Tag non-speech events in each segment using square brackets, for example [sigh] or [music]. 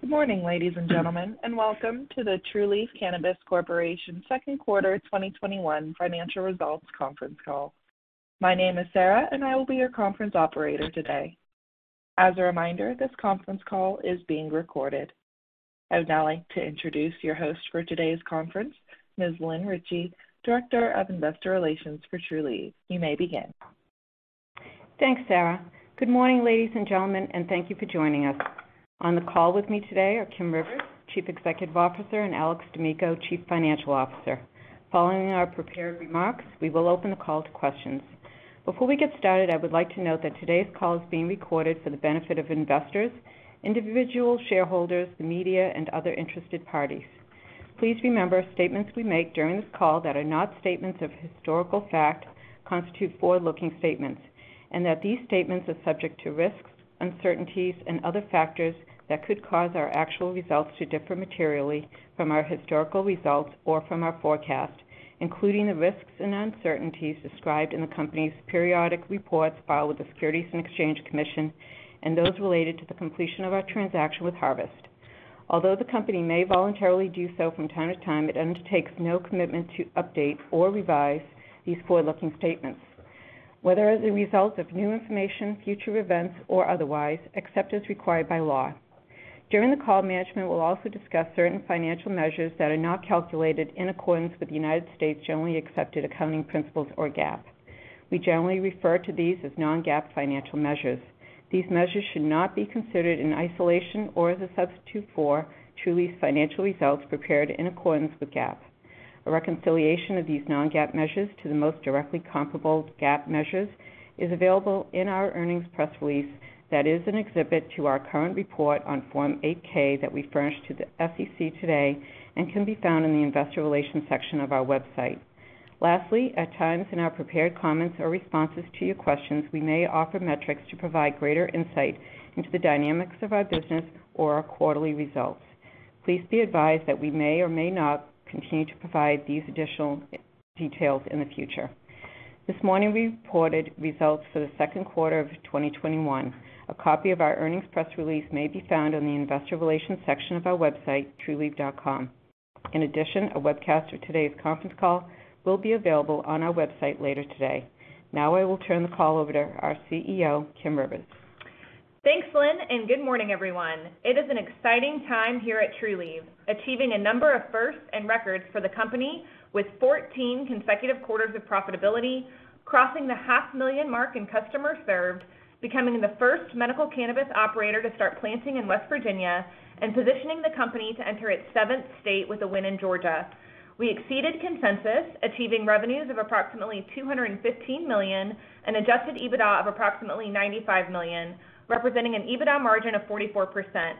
Good morning, ladies and gentlemen. Welcome to the Trulieve Cannabis Corp. Q2 2021 financial results conference call. My name is Sarah. I will be your conference operator today. As a reminder, this conference call is being recorded. I would now like to introduce your host for today's conference, Ms. Lynn Ricci, Director of Investor Relations for Trulieve. You may begin. Thanks, Sarah. Good morning, ladies and gentlemen, and thank you for joining us. On the call with me today are Kim Rivers, Chief Executive Officer, and Alex D'Amico, Chief Financial Officer. Following our prepared remarks, we will open the call to questions. Before we get started, I would like to note that today's call is being recorded for the benefit of investors, individual shareholders, the media, and other interested parties. Please remember, statements we make during this call that are not statements of historical fact constitute forward-looking statements, and that these statements are subject to risks, uncertainties, and other factors that could cause our actual results to differ materially from our historical results or from our forecast, including the risks and uncertainties described in the company's periodic reports filed with the Securities and Exchange Commission, and those related to the completion of our transaction with Harvest. Although the company may voluntarily do so from time to time, it undertakes no commitment to update or revise these forward-looking statements, whether as a result of new information, future events, or otherwise, except as required by law. During the call, management will also discuss certain financial measures that are not calculated in accordance with United States. generally accepted accounting principles, or GAAP. We generally refer to these as non-GAAP financial measures. These measures should not be considered in isolation or as a substitute for Trulieve's financial results prepared in accordance with GAAP. A reconciliation of these non-GAAP measures to the most directly comparable GAAP measures is available in our earnings press release that is an exhibit to our current report on Form 8-K that we furnished to the SEC today and can be found in the investor relations section of our website. Lastly, at times in our prepared comments or responses to your questions, we may offer metrics to provide greater insight into the dynamics of our business or our quarterly results. Please be advised that we may or may not continue to provide these additional details in the future. This morning, we reported results for the Q2 of 2021. A copy of our earnings press release may be found on the investor relations section of our website, trulieve.com. In addition, a webcast of today's conference call will be available on our website later today. Now I will turn the call over to our CEO, Kim Rivers. Thanks, Lynn, and good morning, everyone. It is an exciting time here at Trulieve, achieving a number of firsts and records for the company with 14 consecutive quarters of profitability, crossing the half-million mark in customers served, becoming the first medical cannabis operator to start planting in West Virginia, and positioning the company to enter its seventh state with a win in Georgia. We exceeded consensus, achieving revenues of approximately $215 million, and adjusted EBITDA of approximately $95 million, representing an EBITDA margin of 44%.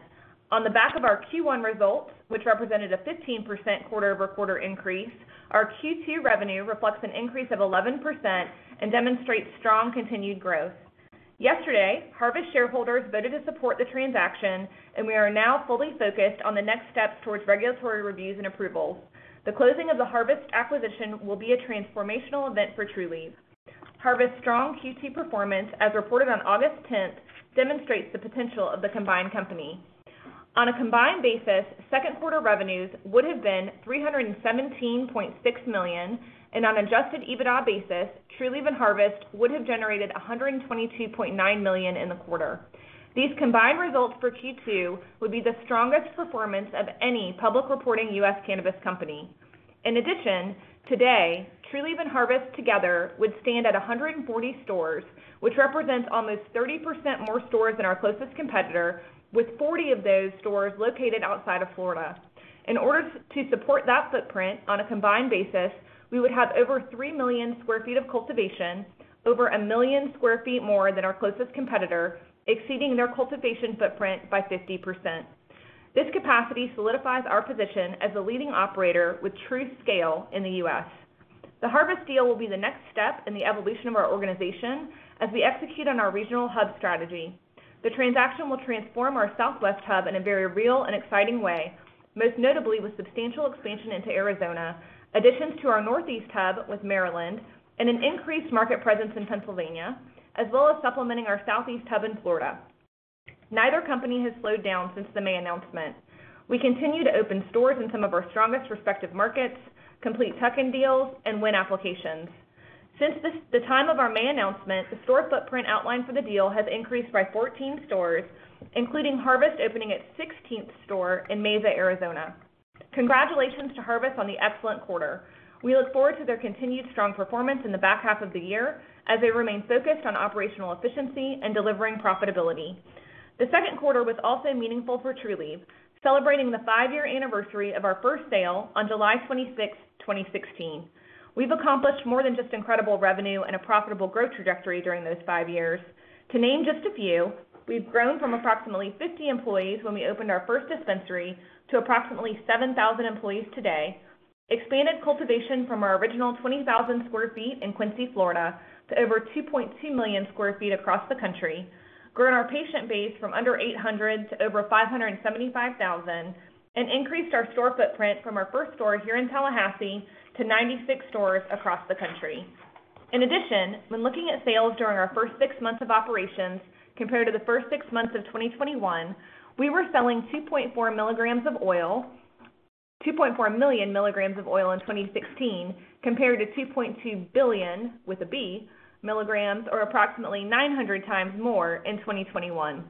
On the back of our Q1 results, which represented a 15% quarter-over-quarter increase, our Q2 revenue reflects an increase of 11% and demonstrates strong continued growth. Yesterday, Harvest shareholders voted to support the transaction, and we are now fully focused on the next steps towards regulatory reviews and approvals. The closing of the Harvest acquisition will be a transformational event for Trulieve. Harvest's strong Q2 performance, as reported on August 10th, demonstrates the potential of the combined company. On a combined basis, Q2 revenues would have been $317.6 million, and on an adjusted EBITDA basis, Trulieve and Harvest would have generated $122.9 million in the quarter. These combined results for Q2 would be the strongest performance of any public reporting U.S. cannabis company. In addition, today, Trulieve and Harvest together would stand at 140 stores, which represents almost 30% more stores than our closest competitor, with 40 of those stores located outside of Florida. In order to support that footprint on a combined basis, we would have over 3 million sq ft of cultivation, over 1 million sq ft more than our closest competitor, exceeding their cultivation footprint by 50%. This capacity solidifies our position as a leading operator with true scale in the U.S. The Harvest deal will be the next step in the evolution of our organization as we execute on our regional hub strategy. The transaction will transform our Southwest hub in a very real and exciting way, most notably with substantial expansion into Arizona, additions to our Northeast hub with Maryland, and an increased market presence in Pennsylvania, as well as supplementing our Southeast hub in Florida. Neither company has slowed down since the May announcement. We continue to open stores in some of our strongest respective markets, complete tuck-in deals, and win applications. Since the time of our May announcement, the store footprint outlined for the deal has increased by 14 stores, including Harvest opening its 16th store in Mesa, Arizona. Congratulations to Harvest on the excellent quarter. We look forward to their continued strong performance in the back half of the year, as they remain focused on operational efficiency and delivering profitability. The Q2 was also meaningful for Trulieve, celebrating the five-year anniversary of our first sale on July 26th, 2016. We've accomplished more than just incredible revenue and a profitable growth trajectory during those five years. To name just a few, we've grown from approximately 50 employees when we opened our first dispensary to approximately 7,000 employees today, expanded cultivation from our original 20,000 sq ft in Quincy, Florida to over 2.2 million sq ft across the country, grown our patient base from under 800 to over 575,000, and increased our store footprint from our first store here in Tallahassee to 96 stores across the country. In addition, when looking at sales during our first six months of operations compared to the first six months of 2021, we were selling 2.4 mg of oil, 2.4 million mg of oil in 2016, compared to 2.2 billion, with a B, milligrams, or approximately 900x more in 2021.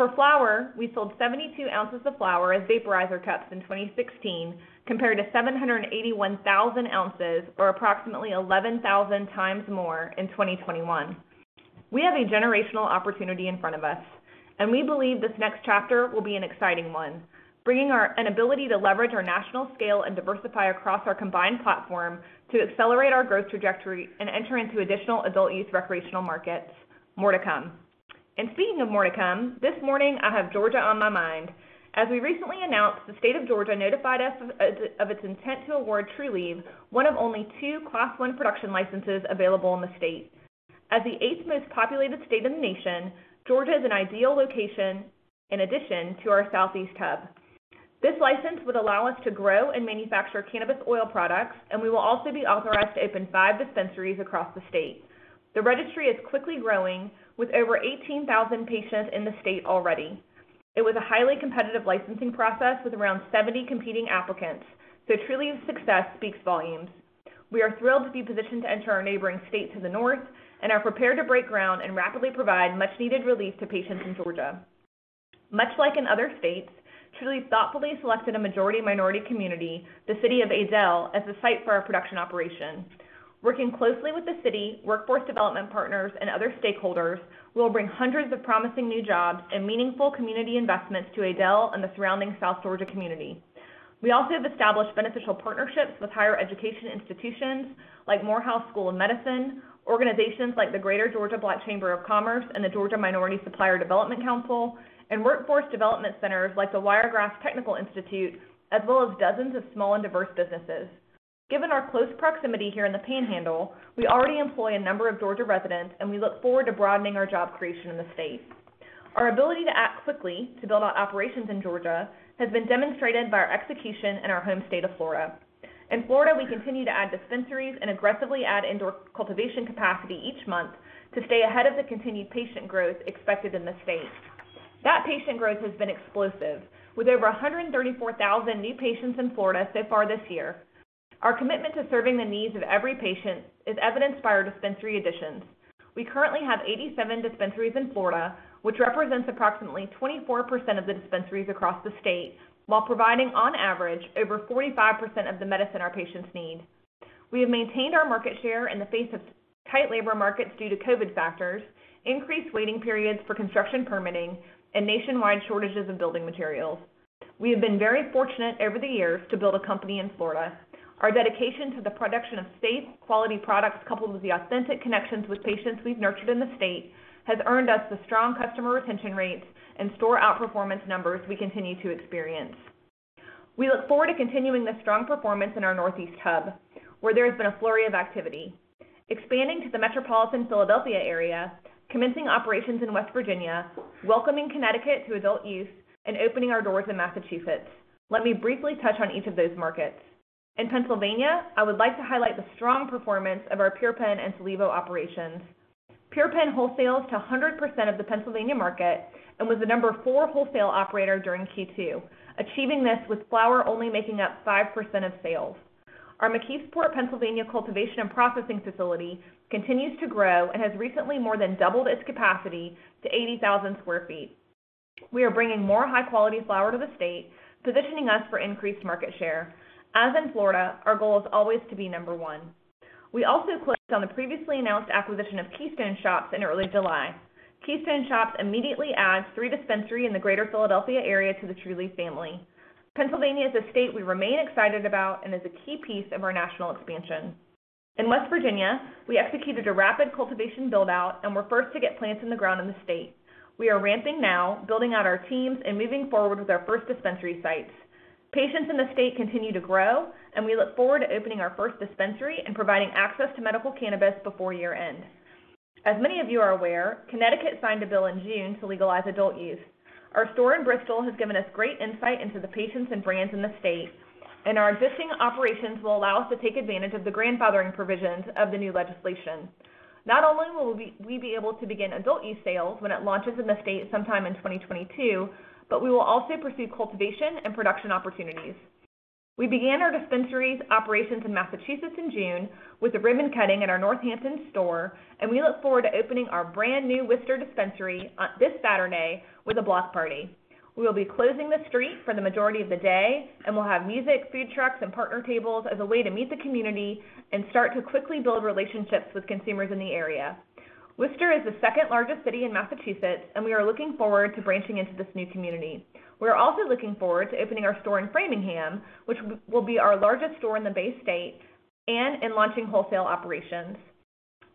For flower, we sold 72 ounces of flower as vaporizer cups in 2016, compared to 781,000 ounces, or approximately 11,000x more in 2021. We have a generational opportunity in front of us, and we believe this next chapter will be an exciting one, bringing an ability to leverage our national scale and diversify across our combined platform to accelerate our growth trajectory and enter into additional adult use recreational markets. More to come. Speaking of more to come, this morning, I have Georgia on my mind. As we recently announced, the State of Georgia notified us of its intent to award Trulieve one of only two Class one production licenses available in the state. As the eighth most populated state in the nation, Georgia is an ideal location in addition to our Southeast hub. This license would allow us to grow and manufacture cannabis oil products, and we will also be authorized to open five dispensaries across the state. The registry is quickly growing, with over 18,000 patients in the state already. It was a highly competitive licensing process with around 70 competing applicants, so Trulieve's success speaks volumes. We are thrilled to be positioned to enter our neighboring state to the north and are prepared to break ground and rapidly provide much-needed relief to patients in Georgia. Much like in other states, Trulieve thoughtfully selected a majority-minority community, the city of Adel, as the site for our production operation. Working closely with the city, workforce development partners, and other stakeholders, we will bring hundreds of promising new jobs and meaningful community investments to Adel and the surrounding South Georgia community. We also have established beneficial partnerships with higher education institutions like Morehouse School of Medicine, organizations like the Greater Georgia Black Chamber of Commerce and the Georgia Minority Supplier Development Council, and workforce development centers like the Wiregrass Georgia Technical College, as well as dozens of small and diverse businesses. Given our close proximity here in the Panhandle, we already employ a number of Georgia residents. We look forward to broadening our job creation in the state. Our ability to act quickly to build out operations in Georgia has been demonstrated by our execution in our home state of Florida. In Florida, we continue to add dispensaries and aggressively add indoor cultivation capacity each month to stay ahead of the continued patient growth expected in the state. That patient growth has been explosive, with over 134,000 new patients in Florida so far this year. Our commitment to serving the needs of every patient is evidenced by our dispensary additions. We currently have 87 dispensaries in Florida, which represents approximately 24% of the dispensaries across the state, while providing, on average, over 45% of the medicine our patients need. We have maintained our market share in the face of tight labor markets due to COVID factors, increased waiting periods for construction permitting, and nationwide shortages in building materials. We have been very fortunate over the years to build a company in Florida. Our dedication to the production of safe, quality products, coupled with the authentic connections with patients we've nurtured in the state, has earned us the strong customer retention rates and store outperformance numbers we continue to experience. We look forward to continuing this strong performance in our Northeast hub, where there has been a flurry of activity. Expanding to the metropolitan Philadelphia area, commencing operations in West Virginia, welcoming Connecticut to adult use, and opening our doors in Massachusetts. Let me briefly touch on each of those markets. In Pennsylvania, I would like to highlight the strong performance of our PurePenn and Solevo operations. PurePenn wholesales to 100% of the Pennsylvania market and was the number four wholesale operator during Q2, achieving this with flower only making up 5% of sales. Our McKeesport, Pennsylvania, cultivation and processing facility continues to grow and has recently more than doubled its capacity to 80,000 sq ft. We are bringing more high-quality flower to the state, positioning us for increased market share. As in Florida, our goal is always to be number one. We also closed on the previously announced acquisition of Keystone Shops in early July. Keystone Shops immediately adds three dispensaries in the Greater Philadelphia area to the Trulieve family. Pennsylvania is a state we remain excited about and is a key piece of our national expansion. In West Virginia, we executed a rapid cultivation build-out and were first to get plants in the ground in the state. We are ramping now, building out our teams, and moving forward with our first dispensary sites. Patients in the state continue to grow, and we look forward to opening our first dispensary and providing access to medical cannabis before year-end. As many of you are aware, Connecticut signed a bill in June to legalize adult use. Our store in Bristol has given us great insight into the patients and brands in the state, and our existing operations will allow us to take advantage of the grandfathering provisions of the new legislation. Not only will we be able to begin adult use sales when it launches in the state sometime in 2022, but we will also pursue cultivation and production opportunities. We began our dispensaries operations in Massachusetts in June with a ribbon cutting at our Northampton store, and we look forward to opening our brand-new Worcester dispensary this Saturday with a block party. We will be closing the street for the majority of the day, and we'll have music, food trucks, and partner tables as a way to meet the community and start to quickly build relationships with consumers in the area. Worcester is the second-largest city in Massachusetts, and we are looking forward to branching into this new community. We are also looking forward to opening our store in Framingham, which will be our largest store in the Bay State, and in launching wholesale operations.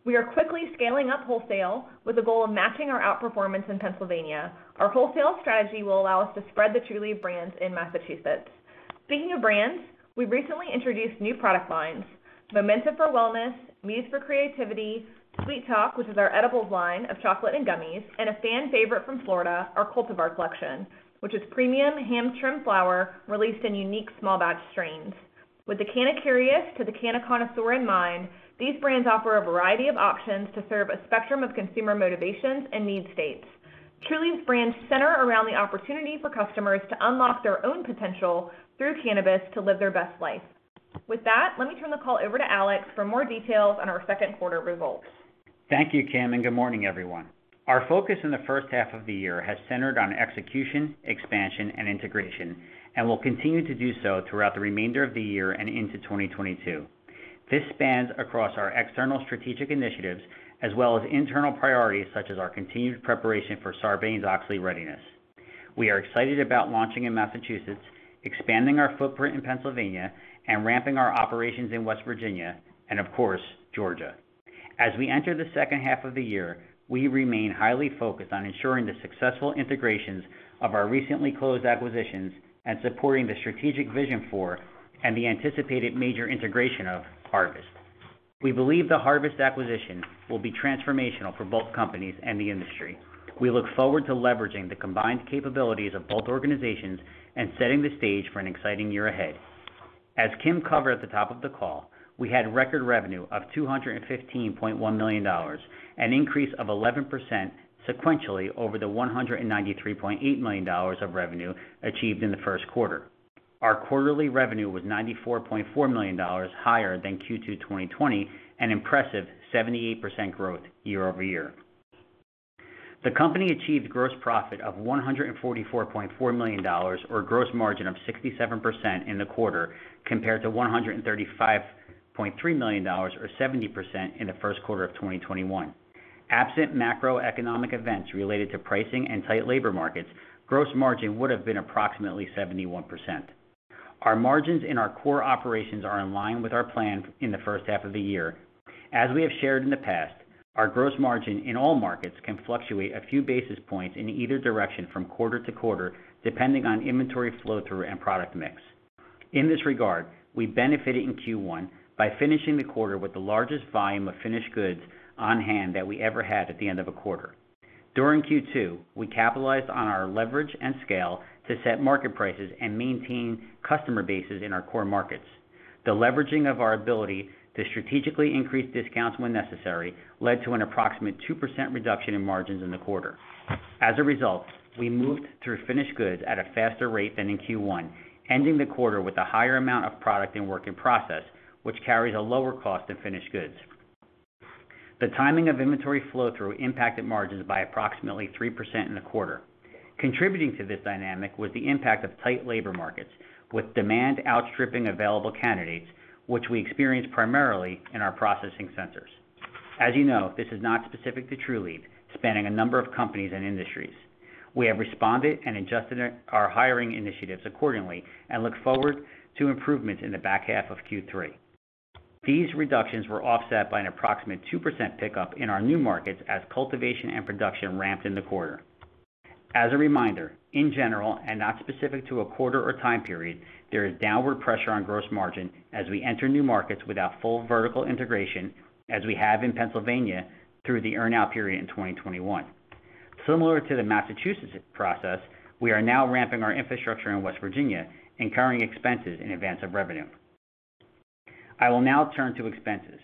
We are quickly scaling up wholesale with a goal of matching our outperformance in Pennsylvania. Our wholesale strategy will allow us to spread the Trulieve brands in Massachusetts. Speaking of brands, we recently introduced new product lines, Momenta for wellness, Muse for creativity, Sweet Talk, which is our edibles line of chocolate and gummies, and a fan favorite from Florida, our Cultivar Collection, which is premium hand-trimmed flower released in unique small batch strains. With the canna-curious to the canna-connoisseur in mind, these brands offer a variety of options to serve a spectrum of consumer motivations and need states. Trulieve's brands center around the opportunity for customers to unlock their own potential through cannabis to live their best life. With that, let me turn the call over to Alex for more details on our Q2 results. Thank you, Kim. Good morning, everyone. Our focus in the H1 of the year has centered on execution, expansion, and integration, and will continue to do so throughout the remainder of the year and into 2022. This spans across our external strategic initiatives as well as internal priorities such as our continued preparation for Sarbanes-Oxley readiness. We are excited about launching in Massachusetts, expanding our footprint in Pennsylvania, and ramping our operations in West Virginia, and of course, Georgia. As we enter the H2 of the year, we remain highly focused on ensuring the successful integrations of our recently closed acquisitions and supporting the strategic vision for, and the anticipated major integration of, Harvest. We believe the Harvest acquisition will be transformational for both companies and the industry. We look forward to leveraging the combined capabilities of both organizations and setting the stage for an exciting year ahead. As Kim covered at the top of the call, we had record revenue of $215.1 million, an increase of 11% sequentially over the $193.8 million of revenue achieved in the Q1. Our quarterly revenue was $94.4 million higher than Q2 2020, an impressive 78% growth year-over-year. The company achieved gross profit of $144.4 million, or gross margin of 67% in the quarter, compared to $135.3 million or 70% in the Q1 of 2021. Absent macroeconomic events related to pricing and tight labor markets, gross margin would have been approximately 71%. Our margins in our core operations are in line with our plan in the H1 of the year. As we have shared in the past, our gross margin in all markets can fluctuate a few basis points in either direction from quarter-to-quarter, depending on inventory flow-through and product mix. In this regard, we benefited in Q1 by finishing the quarter with the largest volume of finished goods on hand that we ever had at the end of a quarter. During Q2, we capitalized on our leverage and scale to set market prices and maintain customer bases in our core markets. The leveraging of our ability to strategically increase discounts when necessary led to an approximate 2% reduction in margins in the quarter. As a result, we moved through finished goods at a faster rate than in Q1, ending the quarter with a higher amount of product and work in process, which carries a lower cost than finished goods. The timing of inventory flow-through impacted margins by approximately 3% in the quarter. Contributing to this dynamic was the impact of tight labor markets, with demand outstripping available candidates, which we experienced primarily in our processing centers. As you know, this is not specific to Trulieve, spanning a number of companies and industries. We have responded and adjusted our hiring initiatives accordingly and look forward to improvements in the back half of Q3. These reductions were offset by an approximate 2% pickup in our new markets as cultivation and production ramped in the quarter. As a reminder, in general, and not specific to a quarter or time period, there is downward pressure on gross margin as we enter new markets without full vertical integration, as we have in Pennsylvania through the earn-out period in 2021. Similar to the Massachusetts process, we are now ramping our infrastructure in West Virginia, incurring expenses in advance of revenue. I will now turn to expenses.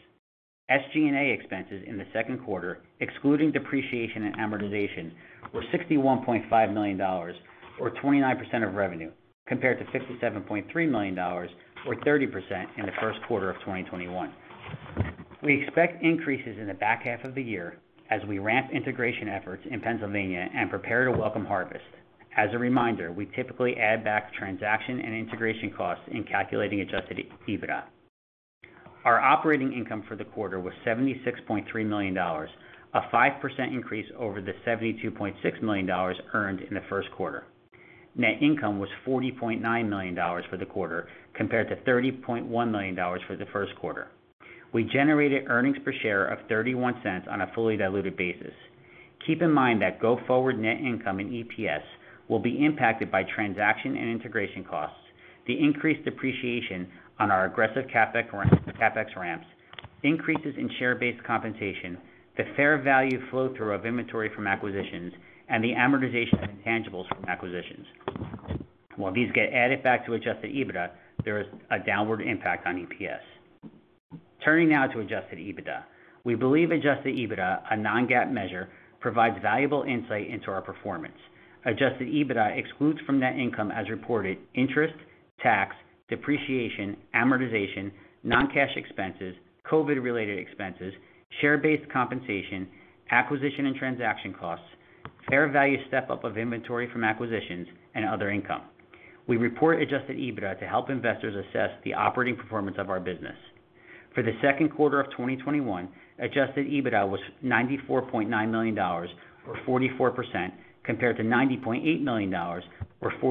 SG&A expenses in the Q2, excluding depreciation and amortization, were $61.5 million, or 29% of revenue, compared to $57.3 million, or 30% in the Q1 of 2021. We expect increases in the back half of the year as we ramp integration efforts in Pennsylvania and prepare to welcome Harvest. As a reminder, we typically add back transaction and integration costs in calculating adjusted EBITDA. Our operating income for the quarter was $76.3 million, a 5% increase over the $72.6 million earned in the Q1. Net income was $40.9 million for the quarter, compared to $30.1 million for the Q1. We generated earnings per share of $0.31 on a fully diluted basis. Keep in mind that go forward net income and EPS will be impacted by transaction and integration costs, the increased depreciation on our aggressive CapEx ramps, increases in share-based compensation, the fair value flow-through of inventory from acquisitions, and the amortization of intangibles from acquisitions. While these get added back to adjusted EBITDA, there is a downward impact on EPS. Turning now to adjusted EBITDA. We believe adjusted EBITDA, a non-GAAP measure, provides valuable insight into our performance. Adjusted EBITDA excludes from net income as reported interest, tax, depreciation, amortization, non-cash expenses, COVID-related expenses, share-based compensation, acquisition and transaction costs, fair value step-up of inventory from acquisitions, and other income. We report adjusted EBITDA to help investors assess the operating performance of our business. For the Q2 of 2021, adjusted EBITDA was $94.9 million, or 44%, compared to $90.8 million, or 47%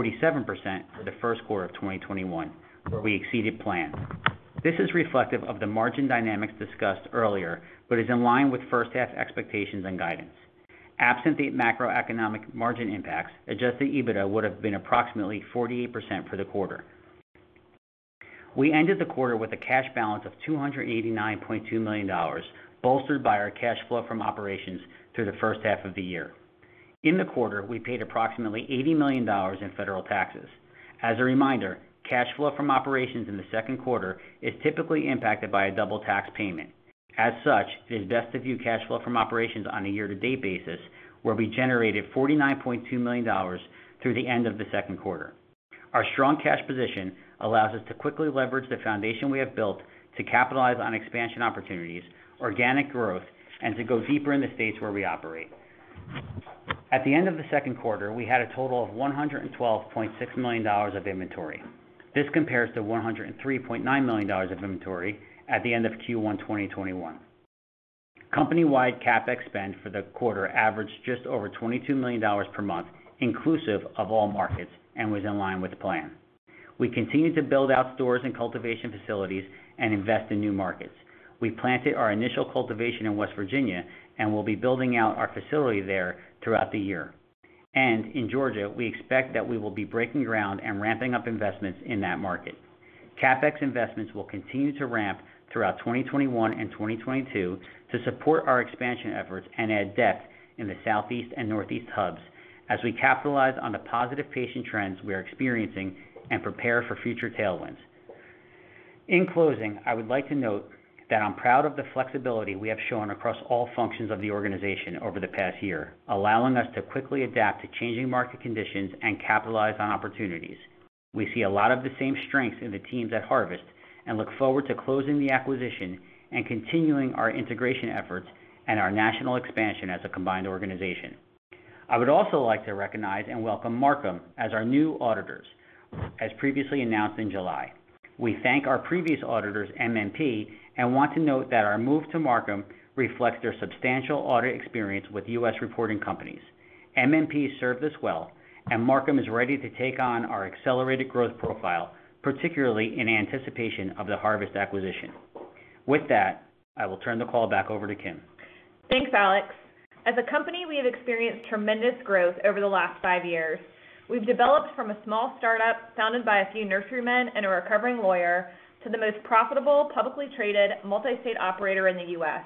for the Q1 of 2021, where we exceeded plans. This is reflective of the margin dynamics discussed earlier, but is in line with H1 expectations and guidance. Absent the macroeconomic margin impacts, adjusted EBITDA would have been approximately 48% for the quarter. We ended the quarter with a cash balance of $289.2 million, bolstered by our cash flow from operations through the H1 of the year. In the quarter, we paid approximately $80 million in federal taxes. As a reminder, cash flow from operations in the Q2 is typically impacted by a double tax payment. It is best to view cash flow from operations on a year-to-date basis, where we generated $49.2 million through the end of the Q2. Our strong cash position allows us to quickly leverage the foundation we have built to capitalize on expansion opportunities, organic growth, and to go deeper in the states where we operate. At the end of the Q2, we had a total of $112.6 million of inventory. This compares to $103.9 million of inventory at the end of Q1 2021. Company-wide CapEx spend for the quarter averaged just over $22 million per month, inclusive of all markets, and was in line with the plan. We continue to build out doors and cultivation facilities and invest in new markets. We planted our initial cultivation in West Virginia, and we'll be building out our facility there throughout the year. In Georgia, we expect that we will be breaking ground and ramping up investments in that market. CapEx investments will continue to ramp throughout 2021 and 2022 to support our expansion efforts and add depth in the Southeast and Northeast hubs as we capitalize on the positive patient trends we are experiencing and prepare for future tailwinds. In closing, I would like to note that I'm proud of the flexibility we have shown across all functions of the organization over the past year, allowing us to quickly adapt to changing market conditions and capitalize on opportunities. We see a lot of the same strengths in the teams at Harvest and look forward to closing the acquisition and continuing our integration efforts and our national expansion as a combined organization. I would also like to recognize and welcome Marcum as our new auditors, as previously announced in July. We thank our previous auditors, MNP, and want to note that our move to Marcum reflects their substantial audit experience with U.S. reporting companies. MNP served us well, and Marcum is ready to take on our accelerated growth profile, particularly in anticipation of the Harvest acquisition. With that, I will turn the call back over to Kim. Thanks, Alex. As a company, we have experienced tremendous growth over the last five years. We've developed from a small startup founded by a few nursery men and a recovering lawyer to the most profitable, publicly traded, multi-state operator in the U.S.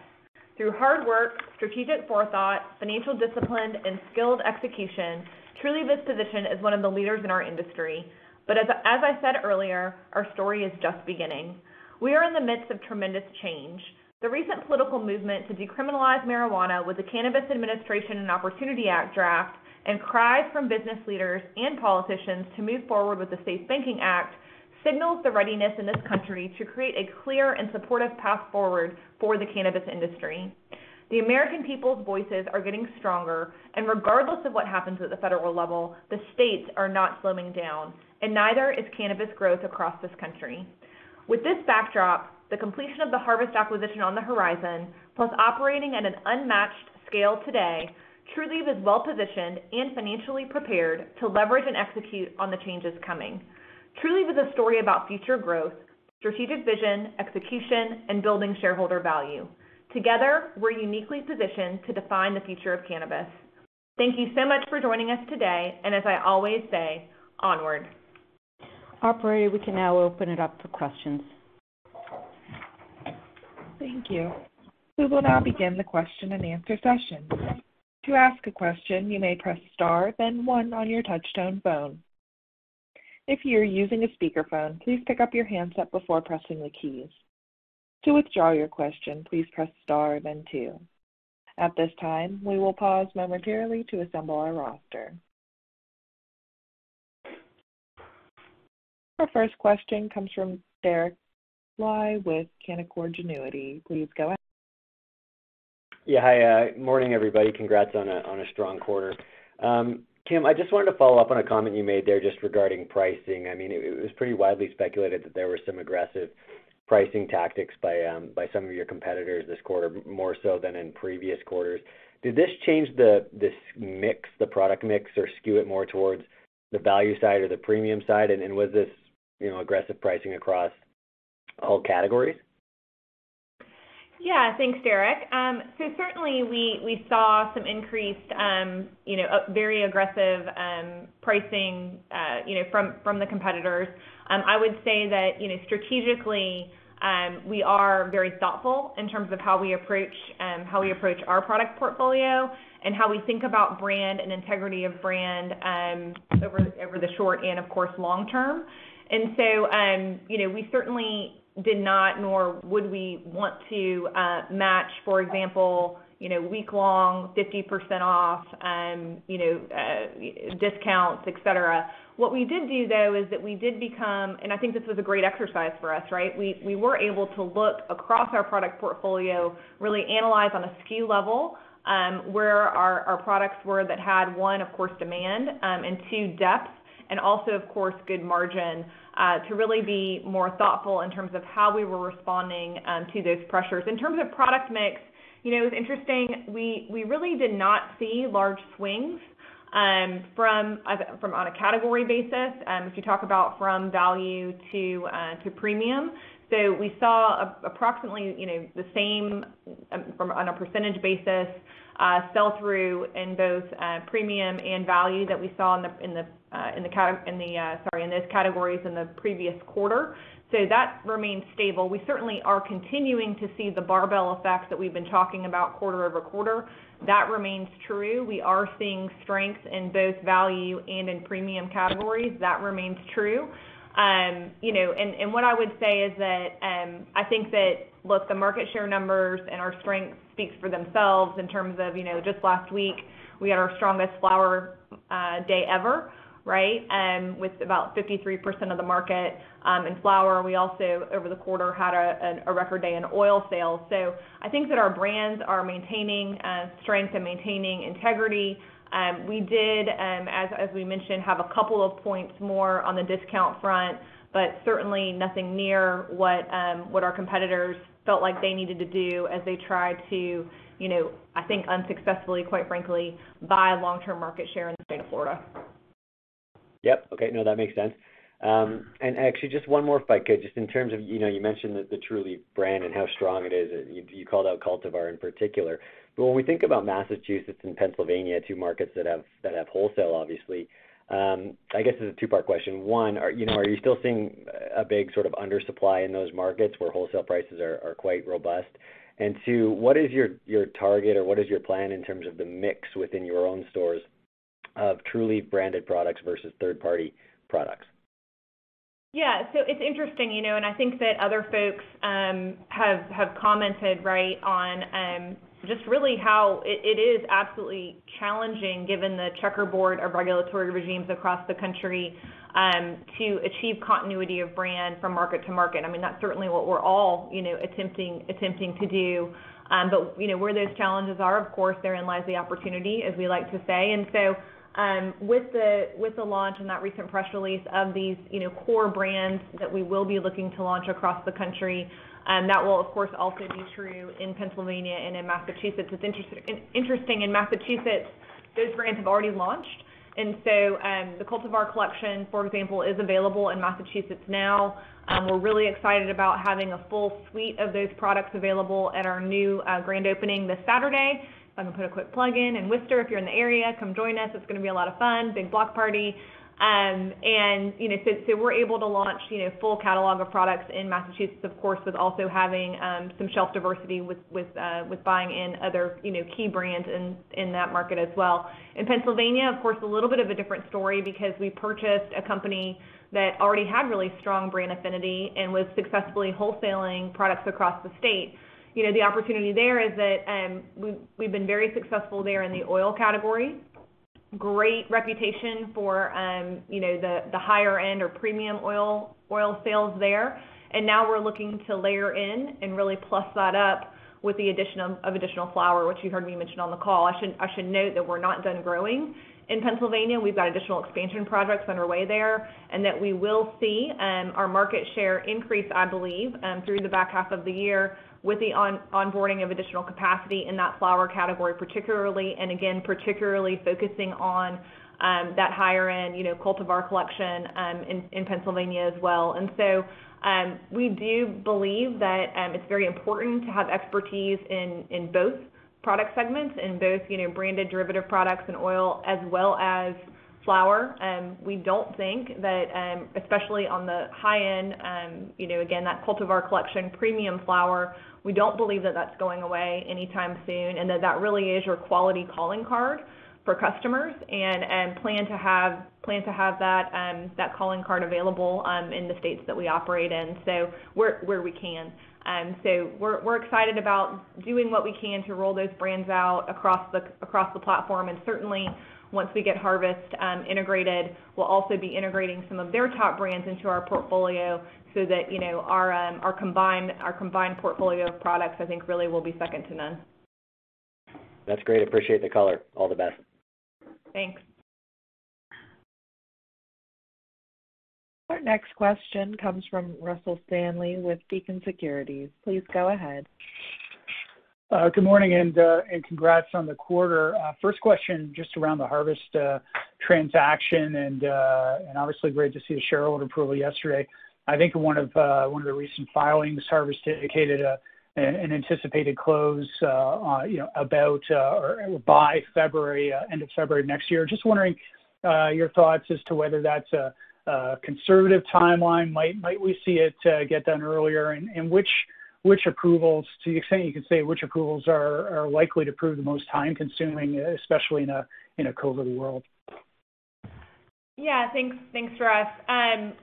Through hard work, strategic forethought, financial discipline, and skilled execution, Trulieve is positioned as one of the leaders in our industry. As I said earlier, our story is just beginning. We are in the midst of tremendous change. The recent political movement to decriminalize marijuana with the Cannabis Administration and Opportunity Act draft and cries from business leaders and politicians to move forward with the SAFE Banking Act signals the readiness in this country to create a clear and supportive path forward for the cannabis industry. The American people's voices are getting stronger, and regardless of what happens at the federal level, the states are not slowing down, and neither is cannabis growth across this country. With this backdrop, the completion of the Harvest acquisition on the horizon, plus operating at an unmatched scale today, Trulieve is well-positioned and financially prepared to leverage and execute on the changes coming. Trulieve is a story about future growth, strategic vision, execution, and building shareholder value. Together, we're uniquely positioned to define the future of cannabis. Thank you so much for joining us today, and as I always say, onward. Operator, we can now open it up for questions. Thank you. We will now begin the question-and-answer session. To ask a question, you may press star, then one on your touch-tone phone. If you are using a speakerphone, please pick up your handset before pressing the keys. To withdraw your question, please press star, then two. At this time, we will pause momentarily to assemble our roster. Our first question comes from Derek Dley with Canaccord Genuity. Please go ahead. Yeah. Hi. Morning, everybody. Congrats on a strong quarter. Kim, I just wanted to follow up on a comment you made there just regarding pricing. It was pretty widely speculated that there were some aggressive pricing tactics by some of your competitors this quarter, more so than in previous quarters. Did this change the product mix, or skew it more towards the value side or the premium side, and was this aggressive pricing across all categories? Yeah. Thanks, Derek. Certainly, we saw some increased, very aggressive pricing from the competitors. I would say that strategically, we are very thoughtful in terms of how we approach our product portfolio and how we think about brand and integrity of brand over the short and, of course, long term. We certainly did not, nor would we want to, match, for example, week-long 50% off discounts, et cetera. What we did do, though, is that we did, and I think this was a great exercise for us. We were able to look across our product portfolio, really analyze on a SKU level where our products were that had, one, of course, demand, and two, depth, and also, of course, good margin to really be more thoughtful in terms of how we were responding to those pressures. In terms of product mix, it was interesting. We really did not see large swings from on a category basis, if you talk about from value to premium. We saw approximately the same, on a percentage basis, sell-through in both premium and value that we saw in those categories in the previous quarter. That remains stable. We certainly are continuing to see the barbell effect that we've been talking about quarter-over-quarter. That remains true. We are seeing strength in both value and in premium categories. That remains true. What I would say is that, I think that, look, the market share numbers and our strength speaks for themselves in terms of just last week, we had our strongest flower day ever. With about 53% of the market in flower. We also, over the quarter, had a record day in oil sales. I think that our brands are maintaining strength and maintaining integrity. We did, as we mentioned, have a couple of points more on the discount front, but certainly nothing near what our competitors felt like they needed to do as they tried to, I think unsuccessfully, quite frankly, buy long-term market share in the state of Florida. Yep. Okay. No, that makes sense. Actually just one more if I could. Just in terms of, you mentioned the Trulieve brand and how strong it is, and you called out Cultivar in particular. When we think about Massachusetts and Pennsylvania, two markets that have wholesale, obviously. I guess this is a two-part question. One, are you still seeing a big sort of undersupply in those markets where wholesale prices are quite robust? Two, what is your target or what is your plan in terms of the mix within your own stores of Trulieve branded products versus third-party products? Yeah. It's interesting, and I think that other folks have commented on just really how it is absolutely challenging given the checkerboard of regulatory regimes across the country to achieve continuity of brand from market to market. I mean, that's certainly what we're all attempting to do. Where those challenges are, of course, therein lies the opportunity, as we like to say. With the launch and that recent press release of these core brands that we will be looking to launch across the country, that will of course also be true in Pennsylvania and in Massachusetts. It's interesting, in Massachusetts, those brands have already launched. The Cultivar Collection, for example, is available in Massachusetts now. We're really excited about having a full suite of those products available at our new grand opening this Saturday. I'm going to put a quick plug-in, in Worcester. If you're in the area, come join us. It's going to be a lot of fun, big block party. We're able to launch full catalog of products in Massachusetts, of course, with also having some shelf diversity with buying in other key brands in that market as well. In Pennsylvania, of course, a little bit of a different story because we purchased a company that already had really strong brand affinity and was successfully wholesaling products across the state. The opportunity there is that we've been very successful there in the oil category. Great reputation for the higher-end or premium oil sales there. Now we're looking to layer in and really plus that up with the addition of additional flower, which you heard me mention on the call. I should note that we're not done growing in Pennsylvania. We've got additional expansion projects underway there. We will see our market share increase, I believe, through the back half of the year with the onboarding of additional capacity in that flower category, particularly, and again, particularly focusing on that higher-end Cultivar Collection in Pennsylvania as well. We do believe that it's very important to have expertise in both product segments, in both branded derivative products and oil, as well as flower. We don't think that, especially on the high end, again, that Cultivar Collection premium flower, we don't believe that that's going away anytime soon. That really is your quality calling card for customers and plan to have that calling card available in the states that we operate in, so where we can. We're excited about doing what we can to roll those brands out across the platform. Certainly once we get Harvest integrated, we'll also be integrating some of their top brands into our portfolio so that our combined portfolio of products, I think really will be second to none. That's great. Appreciate the color. All the best. Thanks. Our next question comes from Russell Stanley with Beacon Securities. Please go ahead. Good morning. Congrats on the quarter. First question just around the Harvest transaction. Obviously great to see the shareholder approval yesterday. I think in one of the recent filings, Harvest indicated an anticipated close by February, end of February next year. Just wondering your thoughts as to whether that's a conservative timeline. Might we see it get done earlier? Which approvals, to the extent you can say, which approvals are likely to prove the most time-consuming, especially in a COVID world? Thanks, Russ.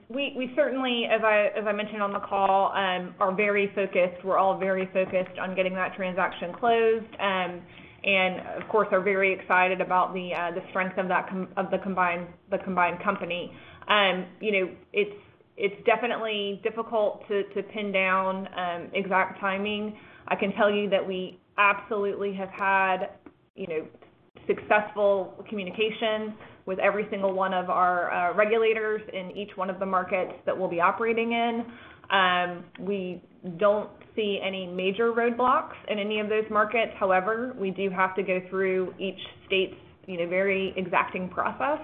We certainly, as I mentioned on the call, are very focused. We're all very focused on getting that transaction closed and, of course, are very excited about the strength of the combined company. It's definitely difficult to pin down exact timing. I can tell you that we absolutely have had successful communications with every single one of our regulators in each one of the markets that we'll be operating in. We don't see any major roadblocks in any of those markets. We do have to go through each state's very exacting process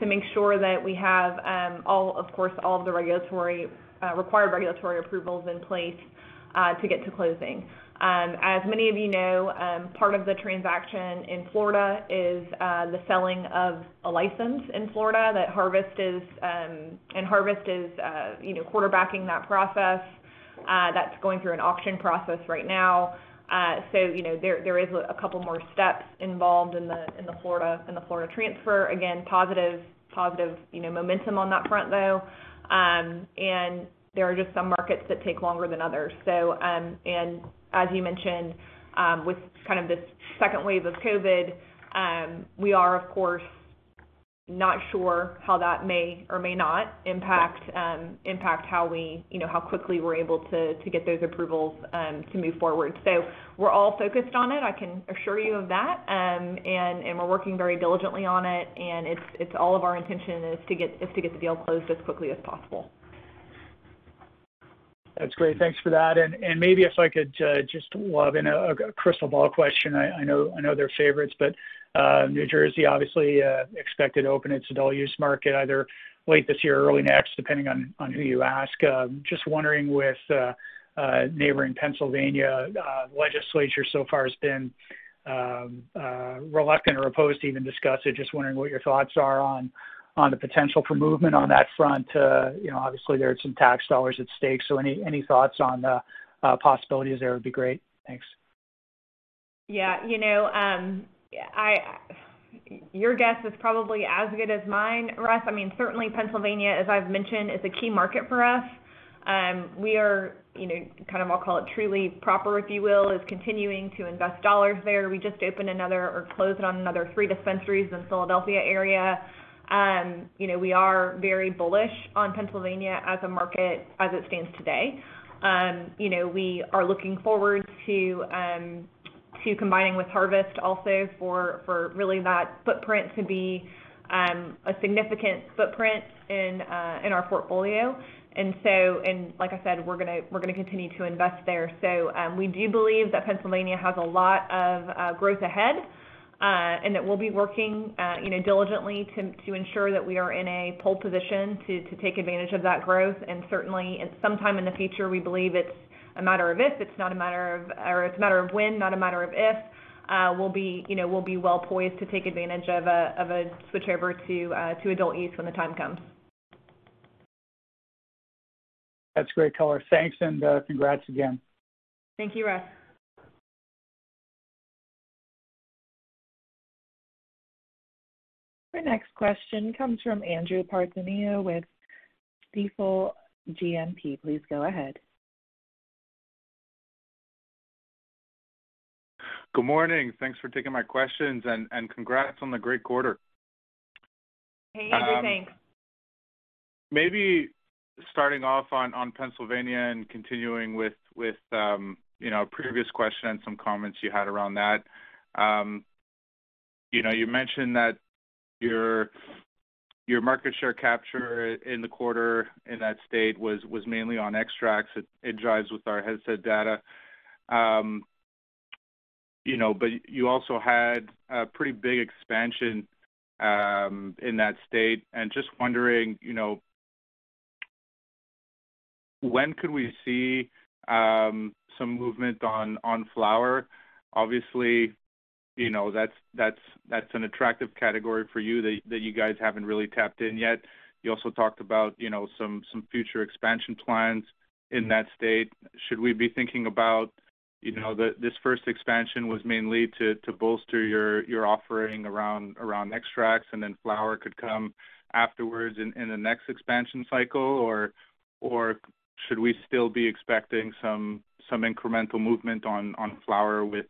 to make sure that we have all of the required regulatory approvals in place to get to closing. As many of you know, part of the transaction in Florida is the selling of a license in Florida, and Harvest is quarterbacking that process. That's going through an auction process right now. There is a couple more steps involved in the Florida transfer. Positive momentum on that front, though. There are just some markets that take longer than others. As you mentioned, with kind of this second wave of COVID, we are, of course, not sure how that may or may not impact how quickly we're able to get those approvals to move forward. We're all focused on it, I can assure you of that, and we're working very diligently on it. It's all of our intention is to get the deal closed as quickly as possible. That's great. Thanks for that. Maybe if I could just lob in a crystal ball question. I know they're favorites. New Jersey obviously expected to open its adult use market either late this year or early next, depending on who you ask. Just wondering with neighboring Pennsylvania, legislature so far has been reluctant or opposed to even discuss it. Just wondering what your thoughts are on the potential for movement on that front. Obviously, there are some tax dollars at stake. Any thoughts on the possibilities there would be great. Thanks. Yeah. Your guess is probably as good as mine, Russ. Certainly Pennsylvania, as I've mentioned, is a key market for us. We are, I'll call it Trulieve proper, if you will, is continuing to invest dollars there. We just opened another, or closed on another three dispensaries in the Philadelphia area. We are very bullish on Pennsylvania as a market as it stands today. We are looking forward to combining with Harvest also for really that footprint to be a significant footprint in our portfolio. And like I said, we're going to continue to invest there. We do believe that Pennsylvania has a lot of growth ahead, and that we'll be working diligently to ensure that we are in a pole position to take advantage of that growth. Certainly sometime in the future, we believe it's a matter of when, not a matter of if, we'll be well-poised to take advantage of a switchover to adult use when the time comes. That's great color. Thanks, and congrats again. Thank you, Russ. Our next question comes from Andrew Partheniou with Stifel GMP. Please go ahead. Good morning. Thanks for taking my questions, and congrats on the great quarter. Hey, Andrew. Thanks. Maybe starting off on Pennsylvania and continuing with a previous question and some comments you had around that. You mentioned that your market share capture in the quarter in that state was mainly on extracts. It jives with our Headset data. You also had a pretty big expansion in that state, and just wondering, when could we see some movement on flower? Obviously, that's an attractive category for you that you guys haven't really tapped in yet. You also talked about some future expansion plans in that state. Should we be thinking about this first expansion was mainly to bolster your offering around extracts, and then flower could come afterwards in the next expansion cycle? Should we still be expecting some incremental movement on flower with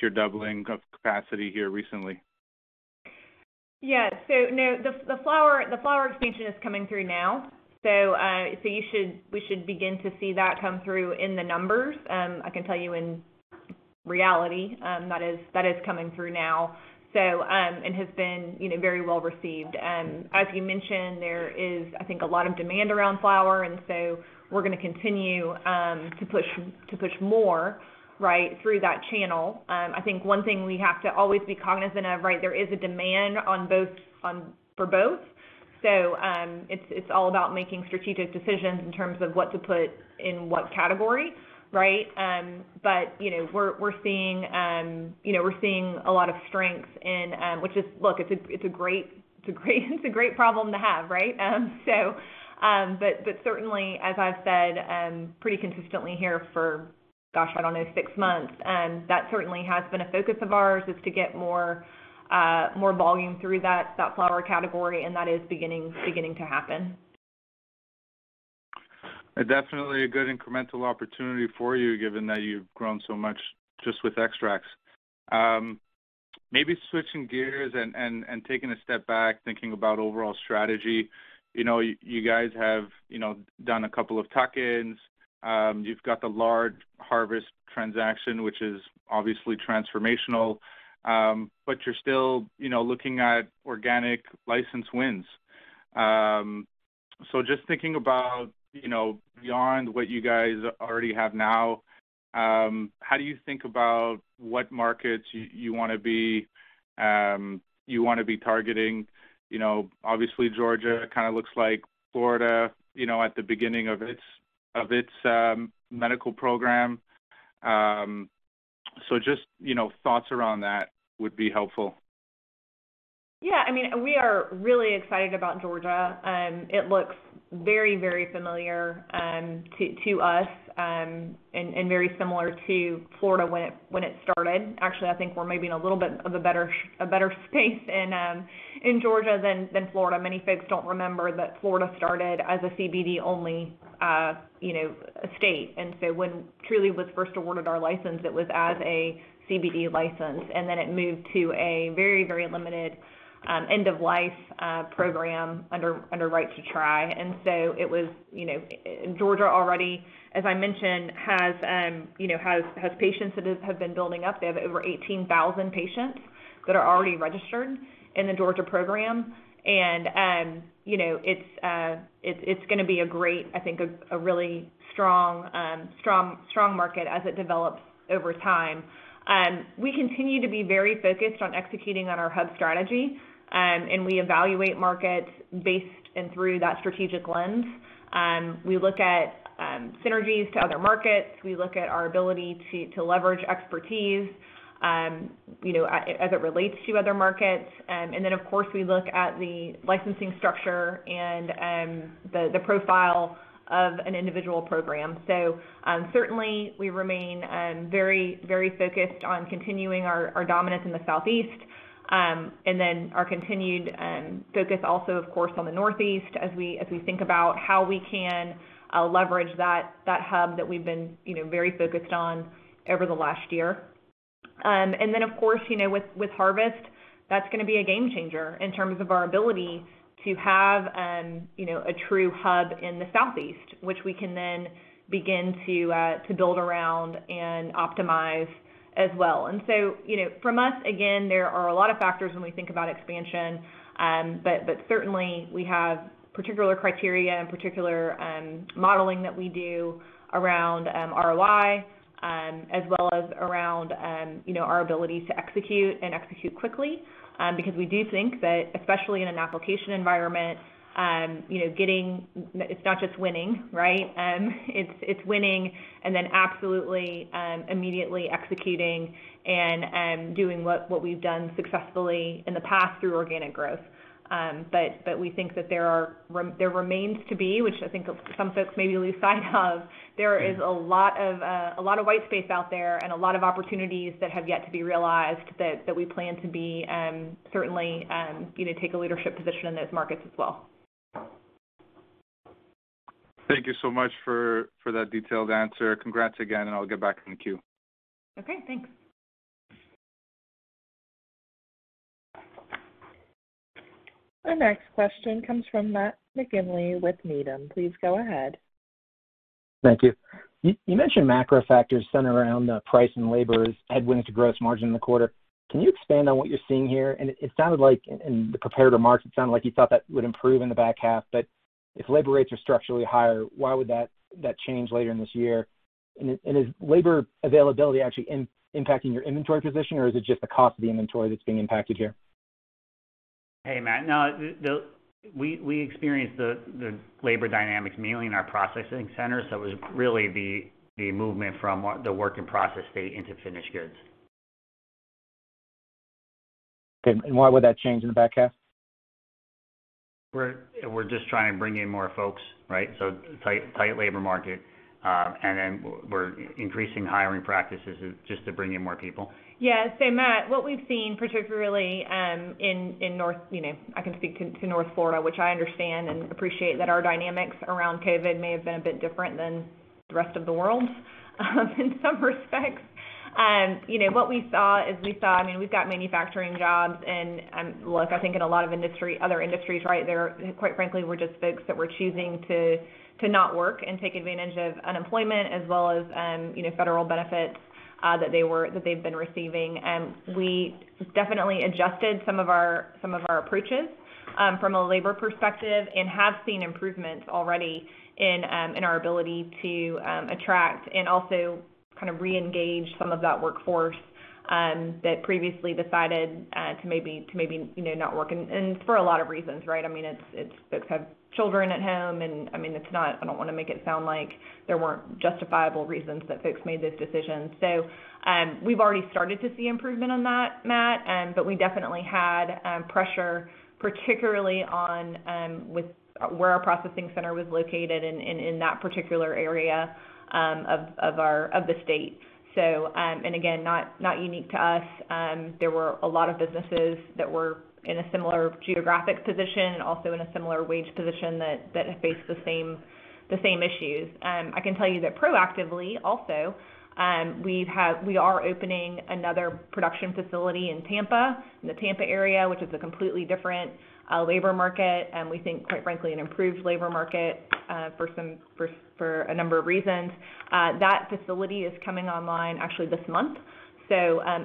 your doubling of capacity here recently? Yeah. No, the flower expansion is coming through now. We should begin to see that come through in the numbers. I can tell you in reality, that is coming through now, and has been very well received. As you mentioned, there is, I think, a lot of demand around flower, we're going to continue to push more right through that channel. I think one thing we have to always be cognizant of, there is a demand for both. It's all about making strategic decisions in terms of what to put in what category. We're seeing a lot of strength in Look, it's a great problem to have. Certainly, as I've said, pretty consistently here for, gosh, I don't know, six months, that certainly has been a focus of ours, is to get more volume through that flower category, and that is beginning to happen. Definitely a good incremental opportunity for you, given that you've grown so much just with extracts. Maybe switching gears and taking a step back, thinking about overall strategy. You guys have done a couple of tuck-ins. You've got the large Harvest transaction, which is obviously transformational, but you're still looking at organic license wins. Just thinking about beyond what you guys already have now, how do you think about what markets you want to be targeting? Obviously, Georgia kind of looks like Florida at the beginning of its medical program. Just thoughts around that would be helpful. Yeah, we are really excited about Georgia. It looks very familiar to us, and very similar to Florida when it started. Actually, I think we're maybe in a little bit of a better space in Georgia than Florida. Many folks don't remember that Florida started as a CBD-only state. When Trulieve was first awarded our license, it was as a CBD license, and then it moved to a very limited end-of-life program under Right to Try. Georgia already, as I mentioned, has patients that have been building up. They have over 18,000 patients that are already registered in the Georgia program. It's going to be a great, I think a really strong market as it develops over time. We continue to be very focused on executing on our hub strategy, and we evaluate markets based and through that strategic lens. We look at synergies to other markets. We look at our ability to leverage expertise as it relates to other markets. Then, of course, we look at the licensing structure and the profile of an individual program. Certainly, we remain very focused on continuing our dominance in the Southeast, and then our continued focus also, of course, on the Northeast as we think about how we can leverage that hub that we've been very focused on over the last year. Then, of course, with Harvest, that's going to be a game changer in terms of our ability to have a true hub in the Southeast, which we can then begin to build around and optimize as well. From us, again, there are a lot of factors when we think about expansion. Certainly, we have particular criteria and particular modeling that we do around ROI, as well as around our ability to execute and execute quickly, because we do think that, especially in an application environment, it's not just winning. It's winning and then absolutely, immediately executing and doing what we've done successfully in the past through organic growth. We think that there remains to be, which I think some folks maybe lose sight of, there is a lot of white space out there and a lot of opportunities that have yet to be realized that we plan to be, certainly, take a leadership position in those markets as well. Thank you so much for that detailed answer. Congrats again, and I'll get back in the queue. Okay, thanks. Our next question comes from Matt McGinley with Needham. Please go ahead. Thank you. You mentioned macro factors centered around price and labor as headwinds to gross margin in the quarter. Can you expand on what you're seeing here? It sounded like in the prepared remarks, it sounded like you thought that would improve in the back half. If labor rates are structurally higher, why would that change later in this year? Is labor availability actually impacting your inventory position, or is it just the cost of the inventory that's being impacted here? Hey, Matt. No, we experienced the labor dynamics mainly in our processing centers. It was really the movement from the work in process state into finished goods. Okay. Why would that change in the back half? We're just trying to bring in more folks. Tight labor market. We're increasing hiring practices just to bring in more people. Yeah. Matt, what we've seen particularly in North, I can speak to North Florida, which I understand and appreciate that our dynamics around COVID may have been a bit different than the rest of the world in some respects. What we saw is we've got manufacturing jobs, and look, I think in a lot of other industries, there quite frankly, were just folks that were choosing to not work and take advantage of unemployment as well as federal benefits that they've been receiving. We definitely adjusted some of our approaches from a labor perspective and have seen improvements already in our ability to attract and also kind of reengage some of that workforce that previously decided to maybe not work, and for a lot of reasons. It's folks have children at home, and I don't want to make it sound like there weren't justifiable reasons that folks made those decisions. We've already started to see improvement on that, Matt, but we definitely had pressure, particularly on where our processing center was located in that particular area of the state. Again, not unique to us. There were a lot of businesses that were in a similar geographic position, also in a similar wage position that have faced the same issues. I can tell you that proactively, also, we are opening another production facility in Tampa, in the Tampa area, which is a completely different labor market, and we think, quite frankly, an improved labor market, for a number of reasons. That facility is coming online actually this month.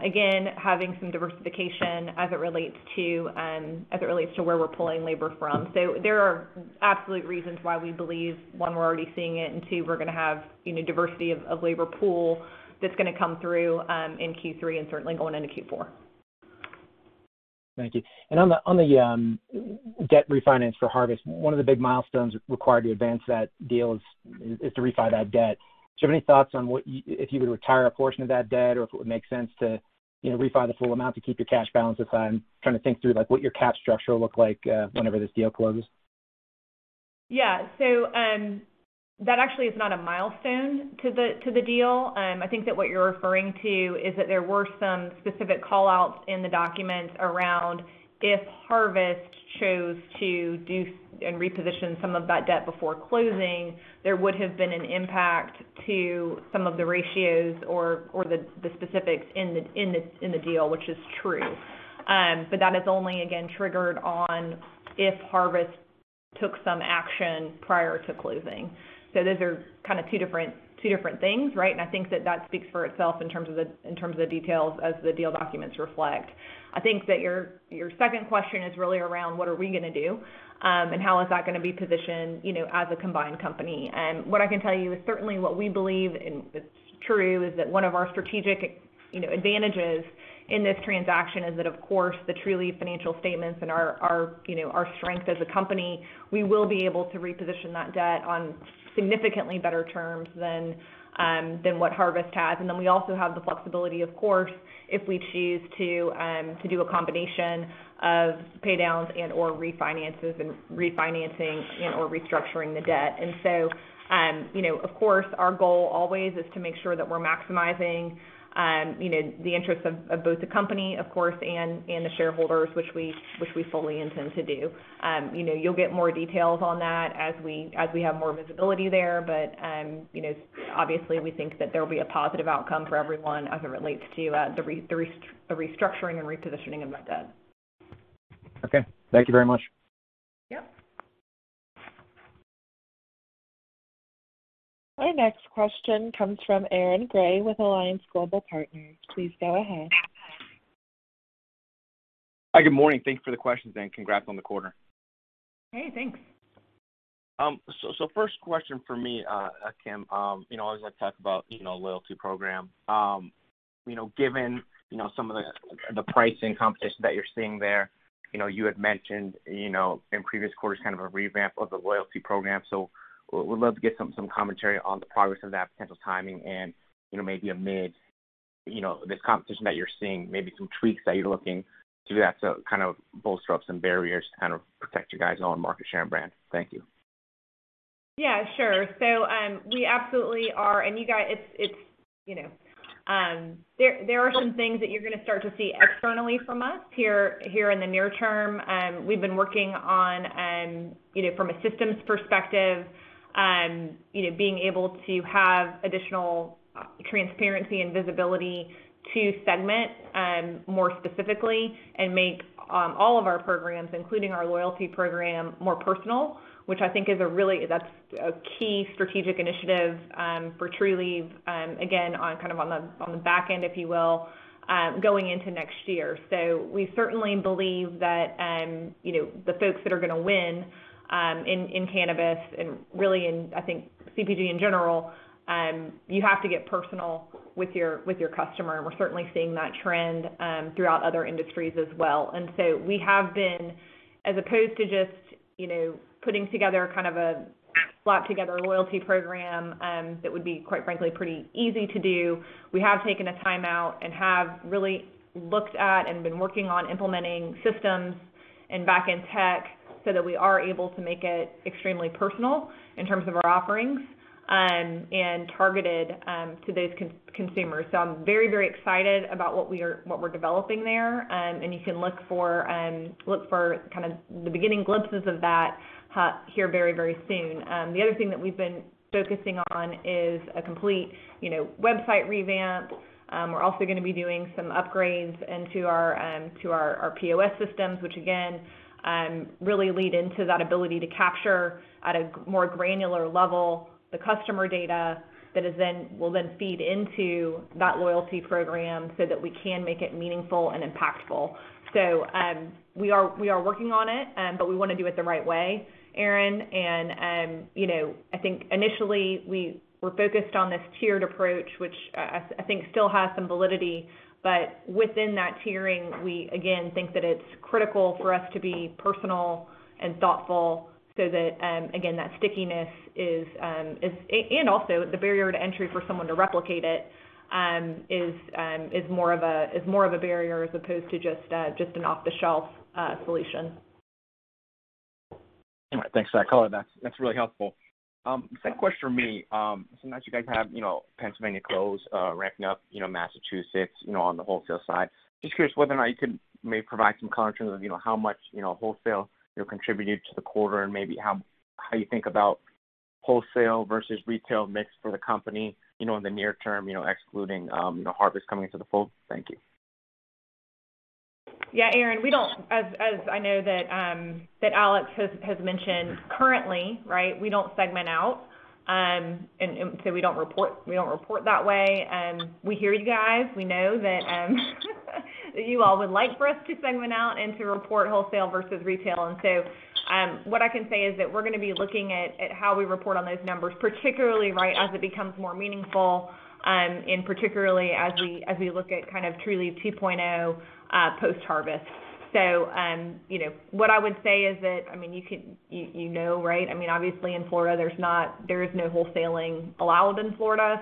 Again, having some diversification as it relates to where we're pulling labor from. There are absolute reasons why we believe, one, we're already seeing it, and two, we're going to have diversity of labor pool that's going to come through in Q3 and certainly going into Q4. Thank you. On the debt refinance for Harvest, one of the big milestones required to advance that deal is to refi that debt. Do you have any thoughts on if you would retire a portion of that debt or if it would make sense to refi the full amount to keep your cash balances? I'm trying to think through what your cap structure will look like whenever this deal closes. That actually is not a milestone to the deal. I think that what you're referring to is that there were some specific call-outs in the documents around if Harvest chose to do and reposition some of that debt before closing, there would have been an impact to some of the ratios or the specifics in the deal, which is true. That is only, again, triggered on if Harvest took some action prior to closing. Those are two different things, right? I think that that speaks for itself in terms of the details as the deal documents reflect. I think that your second question is really around what are we going to do, and how is that going to be positioned as a combined company. What I can tell you is certainly what we believe, and it's true, is that one of our strategic advantages in this transaction is that, of course, the Trulieve financial statements and our strength as a company, we will be able to reposition that debt on significantly better terms than what Harvest has. We also have the flexibility, of course, if we choose to do a combination of pay downs and/or refinances and refinancing and/or restructuring the debt. Of course, our goal always is to make sure that we're maximizing the interests of both the company, of course, and the shareholders, which we fully intend to do. You'll get more details on that as we have more visibility there. Obviously, we think that there will be a positive outcome for everyone as it relates to the restructuring and repositioning of that debt. Okay. Thank you very much. Yep. Our next question comes from Aaron Grey with Alliance Global Partners. Please go ahead. Hi, good morning. Thank you for the questions. Congrats on the quarter. Hey, thanks. First question from me, Kim. I always like to talk about loyalty program. Given some of the pricing competition that you're seeing there, you had mentioned in previous quarters kind of a revamp of the loyalty program. Would love to get some commentary on the progress of that, potential timing, and maybe amid this competition that you're seeing, maybe some tweaks that you're looking to do that to kind of bolster up some barriers to kind of protect you guys on market share and brand. Thank you. Yeah, sure. We absolutely are, and there are some things that you're going to start to see externally from us here in the near term. We've been working on, from a systems perspective, being able to have additional transparency and visibility to segment more specifically and make all of our programs, including our loyalty program, more personal, which I think that's a key strategic initiative for Trulieve, again, on the back end, if you will, going into next year. We certainly believe that the folks that are going to win in cannabis and really in, I think, CPG in general, you have to get personal with your customer. We're certainly seeing that trend throughout other industries as well. We have been, as opposed to just putting together a slapped together loyalty program, that would be, quite frankly, pretty easy to do. We have taken a timeout and have really looked at and been working on implementing systems and backend tech so that we are able to make it extremely personal in terms of our offerings, and targeted to those consumers. I'm very excited about what we're developing there. You can look for the beginning glimpses of that here very soon. The other thing that we've been focusing on is a complete website revamp. We're also going to be doing some upgrades into our POS systems, which again, really lead into that ability to capture, at a more granular level, the customer data that will then feed into that loyalty program so that we can make it meaningful and impactful. We are working on it, but we want to do it the right way, Aaron. I think initially we were focused on this tiered approach, which I think still has some validity, but within that tiering, we again think that it's critical for us to be personal and thoughtful so that, again, that stickiness and also the barrier to entry for someone to replicate it is more of a barrier as opposed to just an off-the-shelf solution. All right. Thanks for that color. That's really helpful. Second question from me. Now that you guys have Pennsylvania close, ramping up Massachusetts on the wholesale side, just curious whether or not you could maybe provide some color in terms of how much wholesale contributed to the quarter and maybe how you think about wholesale versus retail mix for the company in the near term excluding Harvest coming into the fold. Thank you. Aaron, as I know that Alex has mentioned currently, right? We don't segment out. We don't report that way. We hear you guys. We know that you all would like for us to segment out and to report wholesale versus retail. What I can say is that we're going to be looking at how we report on those numbers, particularly as it becomes more meaningful, and particularly as we look at kind of Trulieve 2.0 post-Harvest. What I would say is that, obviously in Florida, there is no wholesaling allowed in Florida.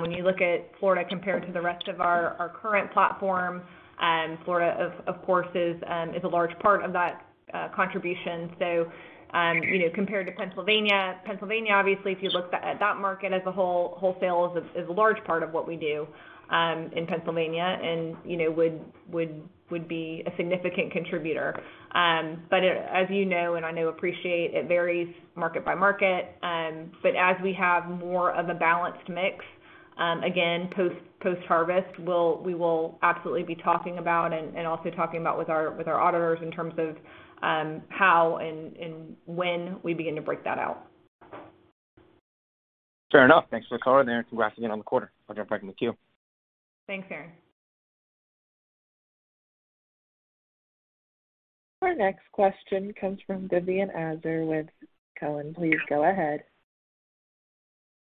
When you look at Florida compared to the rest of our current platform, Florida, of course, is a large part of that contribution. Compared to Pennsylvania, obviously, if you looked at that market as a whole, wholesale is a large part of what we do in Pennsylvania and would be a significant contributor. As you know, and I know appreciate, it varies market by market. As we have more of a balanced mix, again, post-harvest, we will absolutely be talking about and also talking about with our auditors in terms of how and when we begin to break that out. Fair enough. Thanks for the color there, and congrats again on the quarter. Looking forward to talking with you. Thanks, Aaron. Our next question comes from Vivien Azer with Cowen. Please go ahead.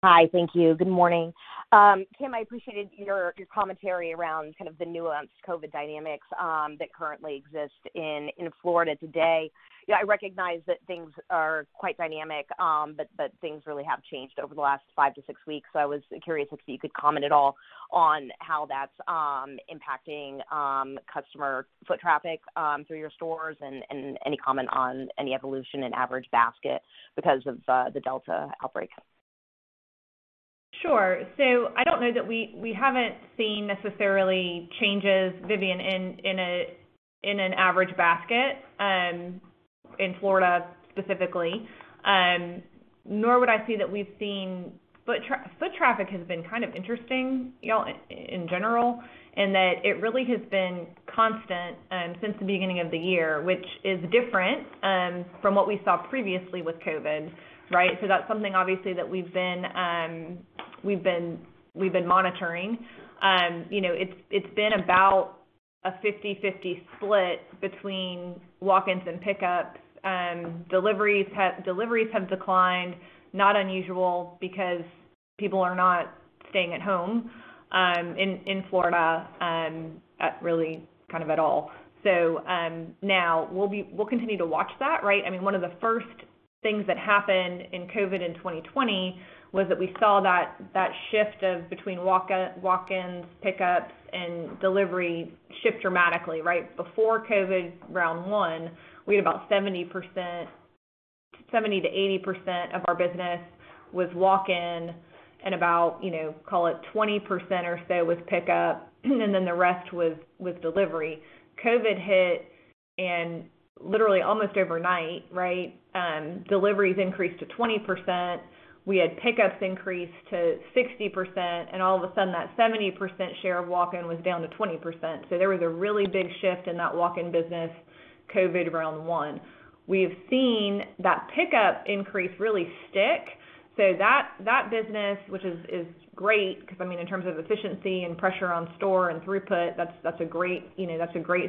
Hi. Thank you. Good morning. Kim, I appreciated your commentary around kind of the nuanced COVID dynamics that currently exist in Florida today. I recognize that things are quite dynamic, but things really have changed over the last five to six weeks. I was curious if you could comment at all on how that's impacting customer foot traffic through your stores and any comment on any evolution in average basket because of the Delta outbreak. Sure. I don't know that we haven't seen necessarily changes, Vivien Azer, in an average basket in Florida specifically. Nor would I say that foot traffic has been kind of interesting in general in that it really has been constant since the beginning of the year, which is different from what we saw previously with COVID, right? That's something obviously that we've been monitoring. It's been about a 50/50 split between walk-ins and pickups. Deliveries have declined. Not unusual because people are not staying at home in Florida really kind of at all. Now we'll continue to watch that, right? One of the first things that happened in COVID in 2020 was that we saw that shift of between walk-ins, pickups, and delivery shift dramatically, right? Before COVID round one, we had about 70%-80% of our business was walk-in and about, call it 20% or so was pickup, and then the rest was delivery. COVID hit and literally almost overnight, right. Deliveries increased to 20%. We had pickups increase to 60%, and all of a sudden, that 70% share of walk-in was down to 20%. There was a really big shift in that walk-in business COVID round one. We've seen that pickup increase really stick, so that business, which is great because in terms of efficiency and pressure on store and throughput, that's a great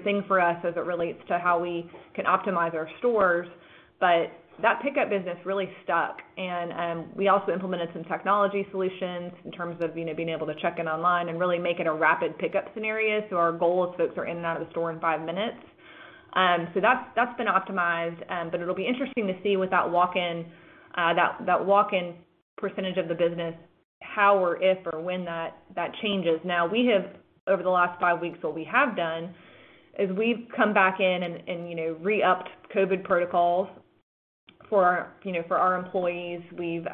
thing for us as it relates to how we can optimize our stores. That pickup business really stuck, and we also implemented some technology solutions in terms of being able to check in online and really make it a rapid pickup scenario. Our goal is folks are in and out of the store in five minutes. That's been optimized, but it'll be interesting to see with that walk-in percentage of the business how or if or when that changes. Now we have over the last five weeks, what we have done is we've come back in and re-upped COVID protocols for our employees. We've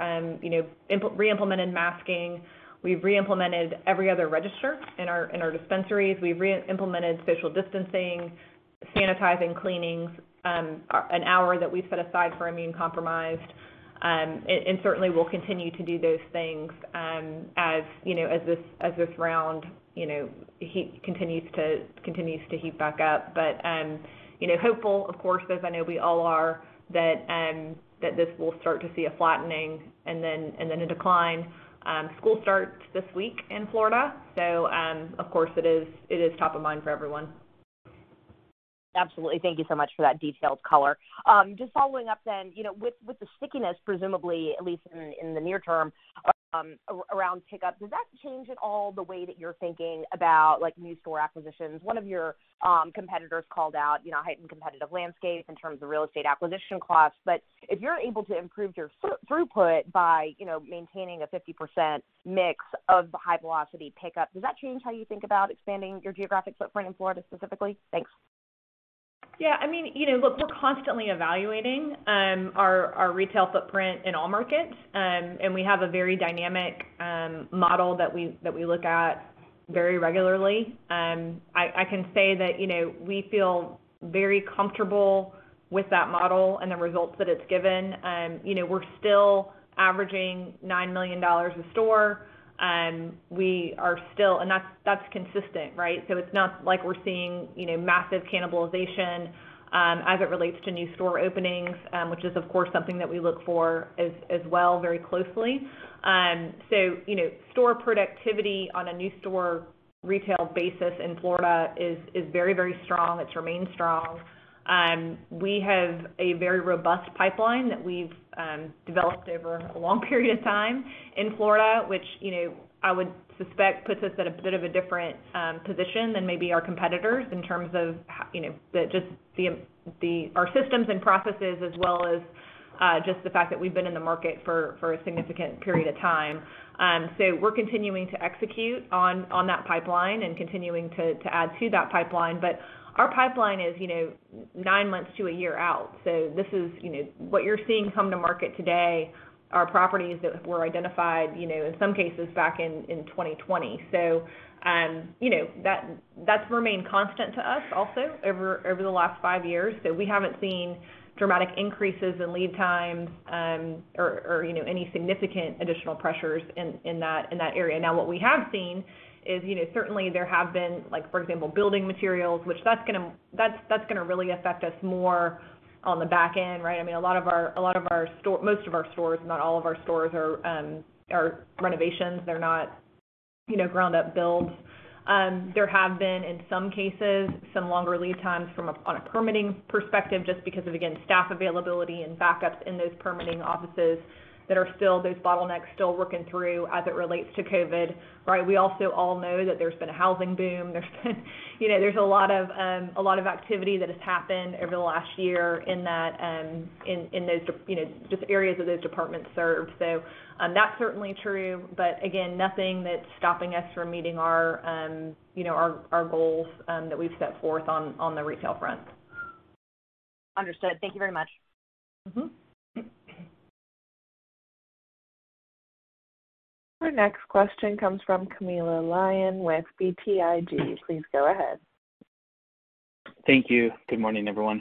re-implemented masking. We've re-implemented every other register in our dispensaries. We've re-implemented social distancing, sanitizing cleanings, one hour that we've set aside for immune-compromised, and certainly, we'll continue to do those things as this round continues to heat back up. Hopeful, of course, as I know we all are, that this will start to see a flattening and then a decline. School starts this week in Florida. Of course, it is top of mind for everyone. Absolutely. Thank you so much for that detailed color. Just following up, with the stickiness, presumably, at least in the near term, around pickup, does that change at all the way that you're thinking about new store acquisitions? One of your competitors called out heightened competitive landscape in terms of real estate acquisition costs. If you're able to improve your throughput by maintaining a 50% mix of high-velocity pickup, does that change how you think about expanding your geographic footprint in Florida specifically? Thanks. Yeah. I mean look, we're constantly evaluating our retail footprint in all markets, and we have a very dynamic model that we look at very regularly. I can say that we feel very comfortable with that model and the results that it's given. We're still averaging $9 million a store. That's consistent, right? It's not like we're seeing massive cannibalization as it relates to new store openings, which is, of course, something that we look for as well very closely. Store productivity on a new store retail basis in Florida is very strong. It's remained strong. We have a very robust pipeline that we've developed over a long period of time in Florida, which I would suspect puts us at a bit of a different position than maybe our competitors in terms of just our systems and processes as well as just the fact that we've been in the market for a significant period of time. We're continuing to execute on that pipeline and continuing to add to that pipeline. Our pipeline is nine months to one year out. What you're seeing come to market today are properties that were identified, in some cases, back in 2020. That's remained constant to us also over the last five years. We haven't seen dramatic increases in lead times, or any significant additional pressures in that area. What we have seen is certainly there have been like, for example, building materials, which that's going to really affect us more on the back end, right? Most of our stores, not all of our stores, are renovations. They're not ground-up builds. There have been, in some cases, some longer lead times from on a permitting perspective just because of, again, staff availability and backups in those permitting offices that are still those bottlenecks still working through as it relates to COVID, right? We also all know that there's been a housing boom. There's been a lot of activity that has happened over the last year in those areas that those departments serve. That's certainly true, but again, nothing that's stopping us from meeting our goals that we've set forth on the retail front. Understood. Thank you very much. Our next question comes from Camilo Lyon with BTIG. Please go ahead. Thank you. Good morning, everyone.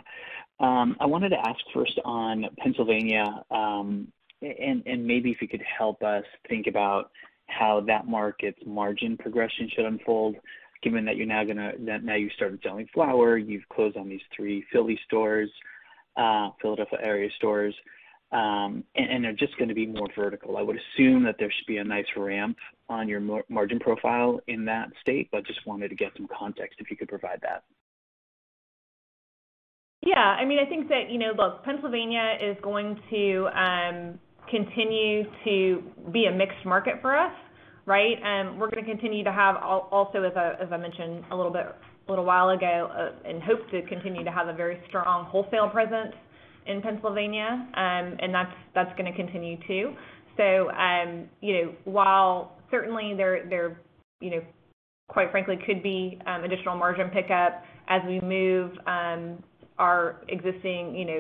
I wanted to ask first on Pennsylvania, maybe if you could help us think about how that market's margin progression should unfold, given that now you've started selling flower, you've closed on these three Philly stores, Philadelphia area stores, and are just going to be more vertical. I would assume that there should be a nice ramp on your margin profile in that state, just wanted to get some context, if you could provide that. Yeah. I think that, look, Pennsylvania is going to continue to be a mixed market for us, right? We're going to continue to have, also as I mentioned a little while ago, and hope to continue to have a very strong wholesale presence in Pennsylvania. That's going to continue, too. While certainly there, quite frankly, could be additional margin pickup as we move our existing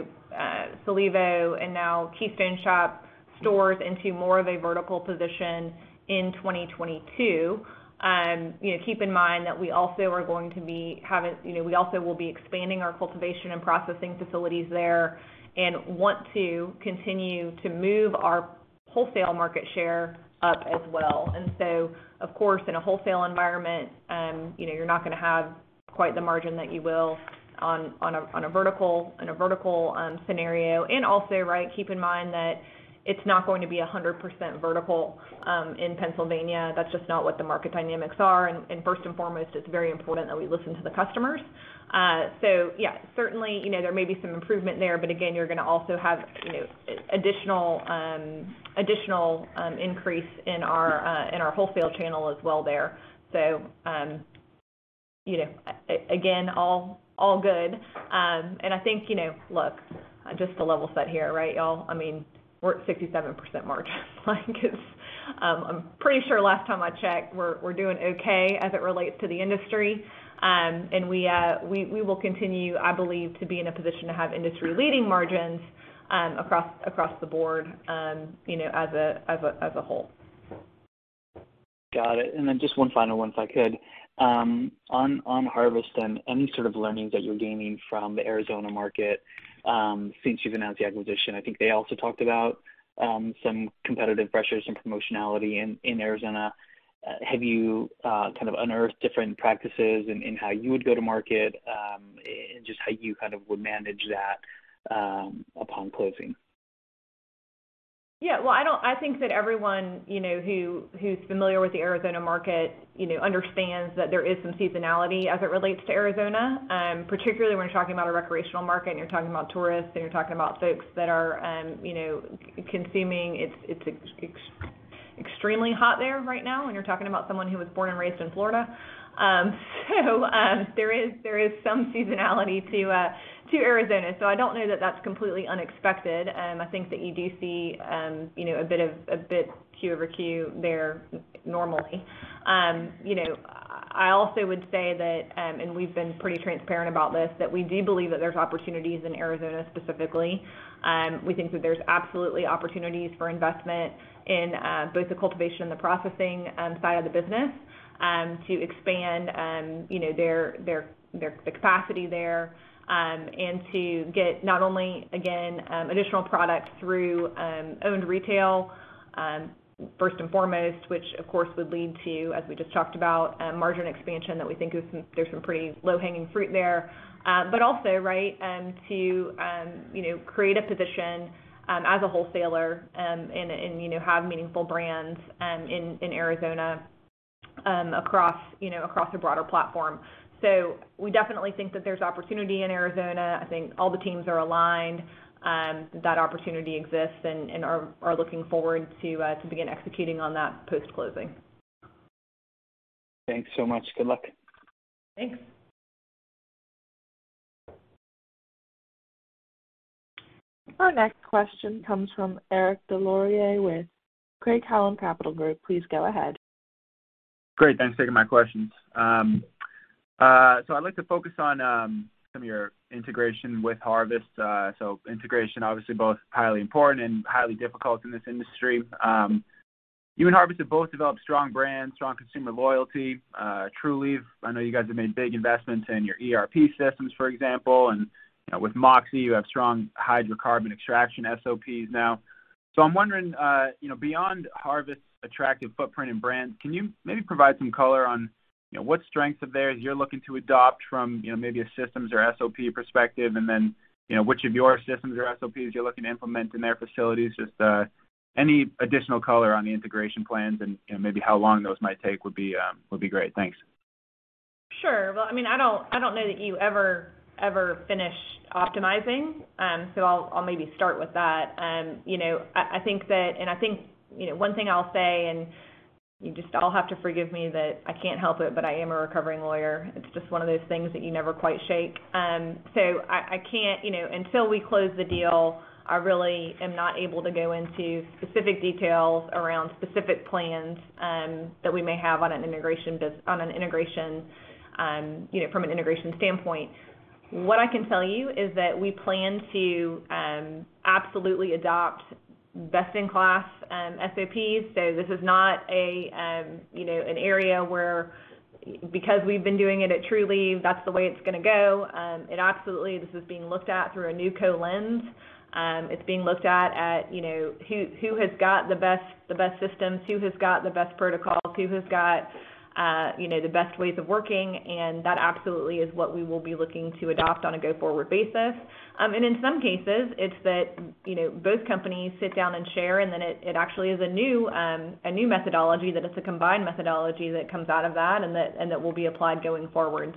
Solevo and now Keystone Shops stores into more of a vertical position in 2022. Keep in mind that we also will be expanding our cultivation and processing facilities there and want to continue to move our wholesale market share up as well. Of course, in a wholesale environment, you're not going to have quite the margin that you will in a vertical scenario. Also, right, keep in mind that it's not going to be 100% vertical in Pennsylvania. That's just not what the market dynamics are, and first and foremost, it's very important that we listen to the customers. Yeah, certainly, there may be some improvement there, but again, you're going to also have additional increase in our wholesale channel as well there. Again, all good. I think, look, just to level set here, right y'all, we're at 67% margin. I'm pretty sure last time I checked, we're doing okay as it relates to the industry. We will continue, I believe, to be in a position to have industry-leading margins across the board as a whole. Got it. Just one final one, if I could. On Harvest and any sort of learnings that you're gaining from the Arizona market since you've announced the acquisition. I think they also talked about some competitive pressures and promotionality in Arizona. Have you kind of unearthed different practices in how you would go to market? Just how you kind of would manage that upon closing? Well, I think that everyone who's familiar with the Arizona market understands that there is some seasonality as it relates to Arizona, particularly when you're talking about a recreational market, and you're talking about tourists, and you're talking about folks that are consuming. It's extremely hot there right now, when you're talking about someone who was born and raised in Florida. There is some seasonality to Arizona. I don't know that that's completely unexpected. I think that you do see a bit Q-over-Q there normally. I also would say that, we've been pretty transparent about this, that we do believe that there's opportunities in Arizona specifically. We think that there's absolutely opportunities for investment in both the cultivation and the processing side of the business to expand their capacity there, and to get not only, again, additional product through owned retail first and foremost, which of course would lead to, as we just talked about, margin expansion that we think there's some pretty low-hanging fruit there. Also, to create a position as a wholesaler and have meaningful brands in Arizona across a broader platform. We definitely think that there's opportunity in Arizona. I think all the teams are aligned that opportunity exists, and are looking forward to begin executing on that post-closing. Thanks so much. Good luck. Thanks. Our next question comes from Eric Des Lauriers with Craig-Hallum Capital Group. Please go ahead. Great. Thanks for taking my questions. I'd like to focus on some of your integration with Harvest. Integration, obviously both highly important and highly difficult in this industry. You and Harvest have both developed strong brands, strong consumer loyalty. Trulieve, I know you guys have made big investments in your ERP systems, for example. With Moxie, you have strong hydrocarbon extraction SOPs now. I'm wondering, beyond Harvest's attractive footprint and brand, can you maybe provide some color on what strengths of theirs you're looking to adopt from maybe a systems or SOP perspective, and then which of your systems or SOPs you're looking to implement in their facilities? Just any additional color on the integration plans and maybe how long those might take would be great. Thanks. Sure. Well, I don't know that you ever finish optimizing. I'll maybe start with that. One thing I'll say, you just all have to forgive me that I can't help it, but I am a recovering lawyer. It's just one of those things that you never quite shake. Until we close the deal, I really am not able to go into specific details around specific plans that we may have from an integration standpoint. What I can tell you is that we plan to absolutely adopt best-in-class SOPs. This is not an area where because we've been doing it at Trulieve, that's the way it's going to go. Absolutely this is being looked at through a. [inaudible] It's being looked at who has got the best systems, who has got the best protocols, who has got the best ways of working, that absolutely is what we will be looking to adopt on a go-forward basis. In some cases, it's that both companies sit down and share, and then it actually is a new methodology, that it's a combined methodology that comes out of that, and that will be applied going forward.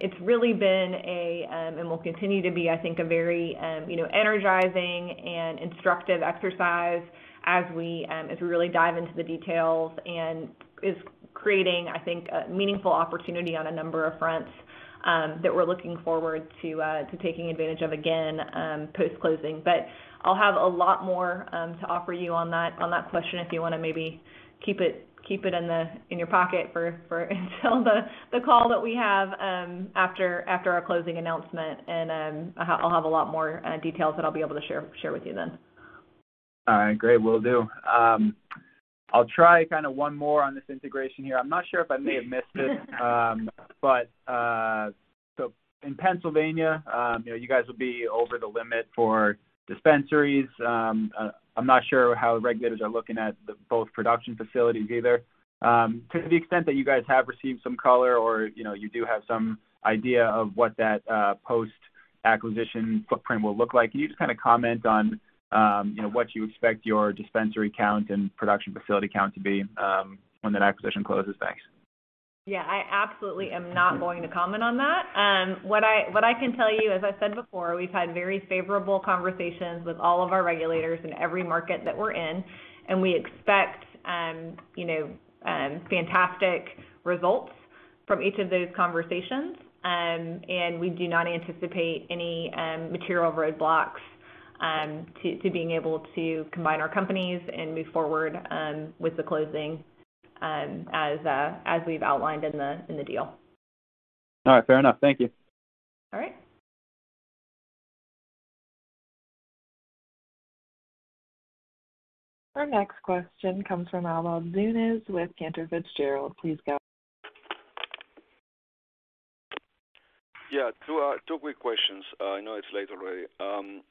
It's really been and will continue to be, I think, a very energizing and instructive exercise as we really dive into the details and is creating, I think, a meaningful opportunity on a number of fronts that we're looking forward to taking advantage of, again, post-closing. I'll have a lot more to offer you on that question if you want to maybe keep it in your pocket until the call that we have after our closing announcement. I'll have a lot more details that I'll be able to share with you then. All right. Great, will do. I'll try one more on this integration here. I'm not sure if I may have missed this. In Pennsylvania, you guys will be over the limit for dispensaries. I'm not sure how regulators are looking at both production facilities either. To the extent that you guys have received some color or you do have some idea of what that post-acquisition footprint will look like, can you just comment on what you expect your dispensary count and production facility count to be when that acquisition closes? Thanks. Yeah, I absolutely am not going to comment on that. What I can tell you, as I said before, we've had very favorable conversations with all of our regulators in every market that we're in, and we expect fantastic results from each of those conversations. We do not anticipate any material roadblocks to being able to combine our companies and move forward with the closing as we've outlined in the deal. All right. Fair enough. Thank you. All right. Our next question comes from Pablo Zuanic with Cantor Fitzgerald. Please go ahead. Two quick questions. I know it's late already.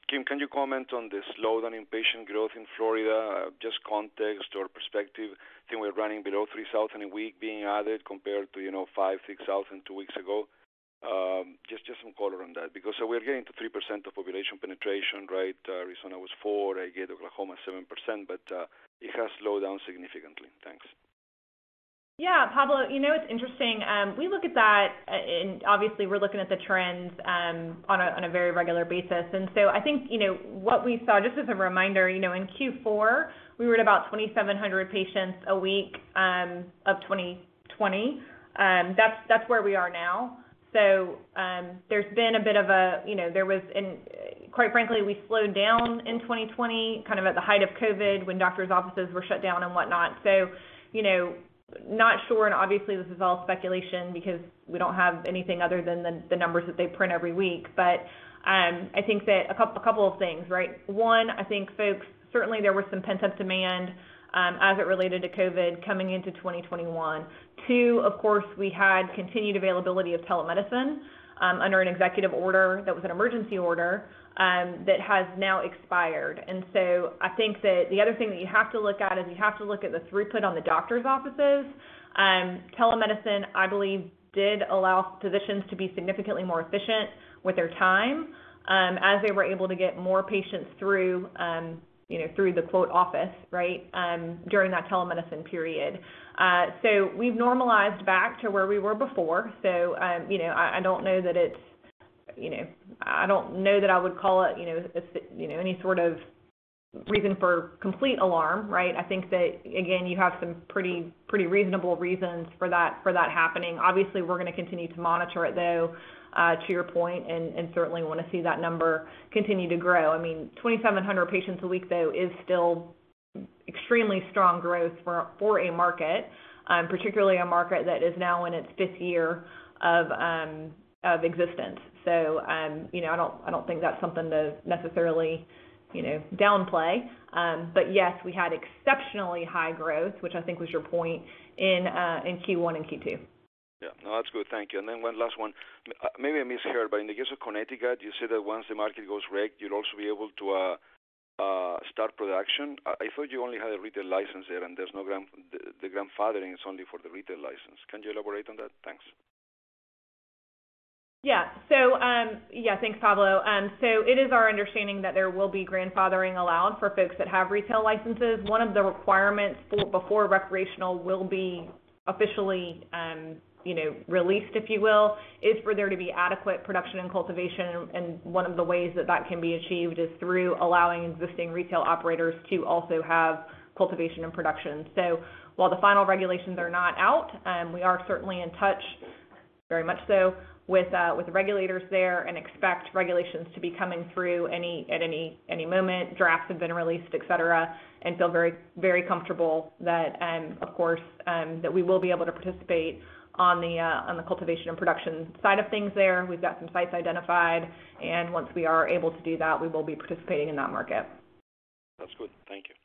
Kim, can you comment on the slowdown in patient growth in Florida? Just context or perspective. I think we're running below 3,000 a week being added compared to, you know, 5,000/6,000 two weeks ago. Just some color on that, because we're getting to 3% of population penetration, right? Recently it was 4%. I get Oklahoma, 7%, but it has slowed down significantly. Thanks. Yeah. Pablo, you know what's interesting? We look at that. Obviously we're looking at the trends on a very regular basis. I think what we saw, just as a reminder, in Q4, we were at about 2,700 patients a week of 2020. That's where we are now. There's been quite frankly, we slowed down in 2020, kind of at the height of COVID when doctors' offices were shut down and whatnot. Not sure, and obviously, this is all speculation because we don't have anything other than the numbers that they print every week. I think that a couple of things, right? One, I think folks, certainly there was some pent-up demand as it related to COVID coming into 2021. Two, of course, we had continued availability of telemedicine under an executive order that was an emergency order, that has now expired. I think that the other thing that you have to look at is you have to look at the throughput on the doctor's offices. Telemedicine, I believe, did allow physicians to be significantly more efficient with their time, as they were able to get more patients through the "office," right, during that telemedicine period. We've normalized back to where we were before. I don't know that I would call it any sort of reason for complete alarm, right? I think that, again, you have some pretty reasonable reasons for that happening. Obviously, we're going to continue to monitor it, though, to your point, and certainly want to see that number continue to grow. I mean, 2,700 patients a week, though, is still extremely strong growth for a market, particularly a market that is now in its fifth year of existence. I don't think that's something to necessarily downplay. Yes, we had exceptionally high growth, which I think was your point in Q1 and Q2. Yeah. No, that's good. Thank you. One last one. Maybe I misheard, but in the case of Connecticut, you said that once the market goes rec, you'll also be able to start production. I thought you only had a retail license there, and the grandfathering is only for the retail license. Can you elaborate on that? Thanks. Yeah. Thanks, Pablo. It is our understanding that there will be grandfathering allowed for folks that have retail licenses. One of the requirements before recreational will be officially released, if you will, is for there to be adequate production and cultivation, and one of the ways that that can be achieved is through allowing existing retail operators to also have cultivation and production. While the final regulations are not out, we are certainly in touch, very much so, with the regulators there and expect regulations to be coming through at any moment. Drafts have been released, et cetera, and feel very comfortable that, of course, we will be able to participate on the cultivation and production side of things there. We've got some sites identified, and once we are able to do that, we will be participating in that market. That's good. Thank you.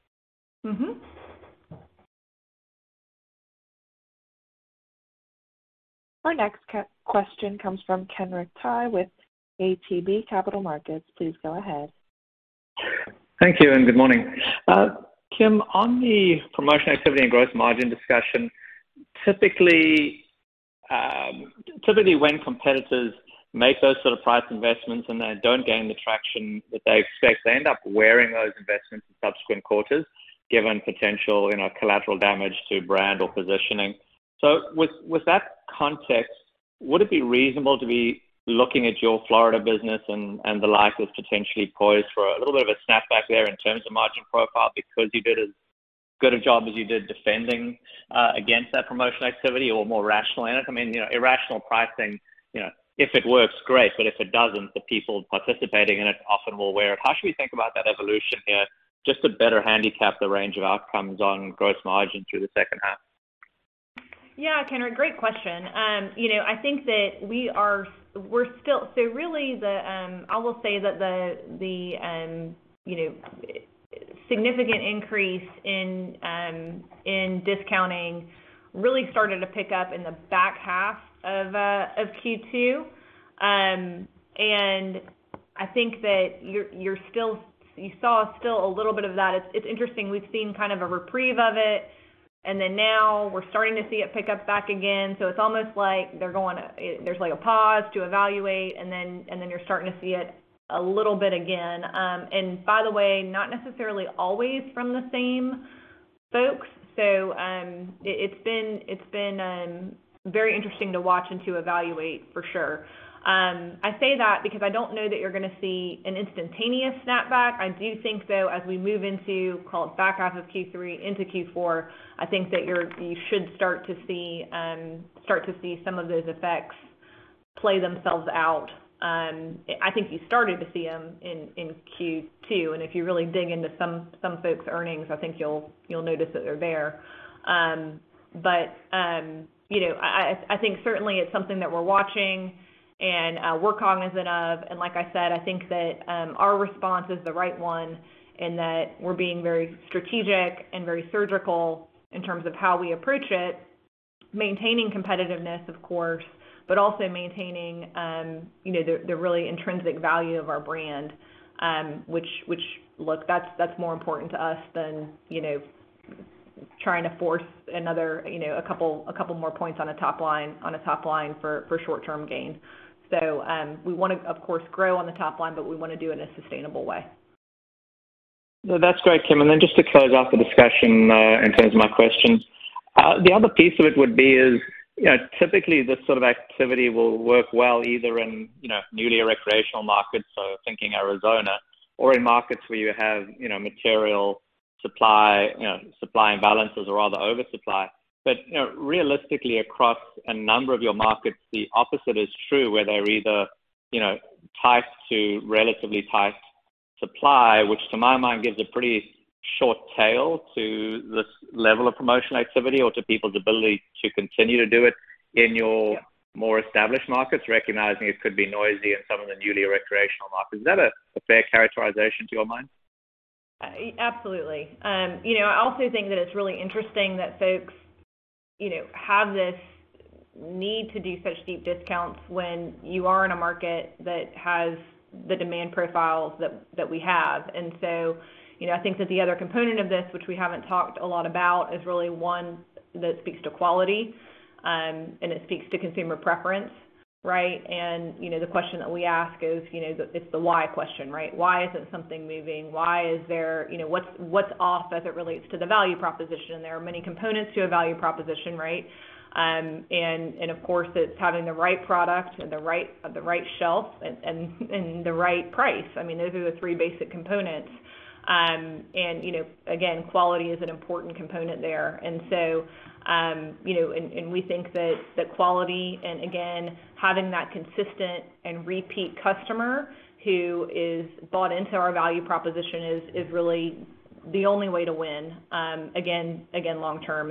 Our next question comes from Kenric Tyghe with ATB Capital Markets. Please go ahead. Thank you, and good morning. Kim, on the promotional activity and gross margin discussion, typically when competitors make those sort of price investments and they don't gain the traction that they expect, they end up wearing those investments in subsequent quarters, given potential collateral damage to brand or positioning. With that context, would it be reasonable to be looking at your Florida business and the like as potentially poised for a little bit of a snapback there in terms of margin profile because you did as good a job as you did defending against that promotional activity or more rational in it? Irrational pricing, if it works, great, but if it doesn't, the people participating in it often will wear it. How should we think about that evolution there, just to better handicap the range of outcomes on gross margin through the H2? Yeah, Ken, great question. I will say that the significant increase in discounting really started to pick up in the back half of Q2. I think that you saw still a little bit of that. It's interesting. We've seen kind of a reprieve of it, and then now we're starting to see it pick up back again. It's almost like there's a pause to evaluate, and then you're starting to see it a little bit again. By the way, not necessarily always from the same folks. It's been very interesting to watch and to evaluate for sure. I say that because I don't know that you're going to see an instantaneous snapback. I do think, though, as we move into call it back half of Q3 into Q4, I think that you should start to see some of those effects play themselves out. I think you started to see them in Q2, and if you really dig into some folks' earnings, I think you'll notice that they're there. I think certainly it's something that we're watching and we're cognizant of, and like I said, I think that our response is the right one in that we're being very strategic and very surgical in terms of how we approach it, maintaining competitiveness, of course, but also maintaining the really intrinsic value of our brand. Which, look, that's more important to us than trying to force a couple more points on a top line for short-term gains. We want to, of course, grow on the top line, but we want to do it in a sustainable way. That's great, Kim. Then just to close off the discussion in terms of my question. The other piece of it would be is, typically this sort of activity will work well either in newly recreational markets, so thinking Arizona, or in markets where you have material supply imbalances or rather oversupply. Realistically, across a number of your markets, the opposite is true, where they're either tight to relatively tight supply, which to my mind gives a pretty short tail to this level of promotional activity or to people's ability to continue to do it in your more established markets, recognizing it could be noisy in some of the newly recreational markets. Is that a fair characterization to your mind? Absolutely. I also think that it's really interesting that folks have this need to do such deep discounts when you are in a market that has the demand profiles that we have. I think that the other component of this, which we haven't talked a lot about, is really one that speaks to quality, and it speaks to consumer preference, right? The question that we ask is, it's the why question, right? Why isn't something moving? What's off as it relates to the value proposition? There are many components to a value proposition, right? Of course, it's having the right product and the right shelf and the right price. Those are the three basic components. Again, quality is an important component there. We think that the quality and again, having that consistent and repeat customer who has bought into our value proposition is really the only way to win, again, long term.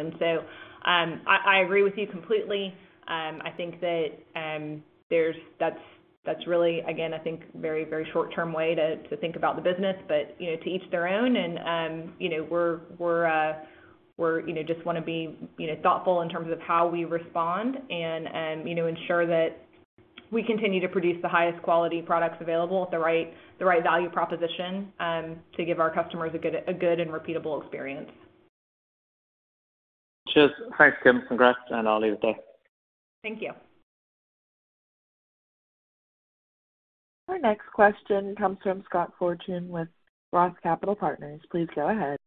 I agree with you completely. I think that's really, again, I think very short-term way to think about the business. To each their own and we just want to be thoughtful in terms of how we respond and ensure that we continue to produce the highest quality products available at the right value proposition, to give our customers a good and repeatable experience. Cheers. All right, Kim, congrats, and I'll leave it there. Thank you. Our next question comes from Scott Fortune with ROTH Capital Partners. Please go ahead.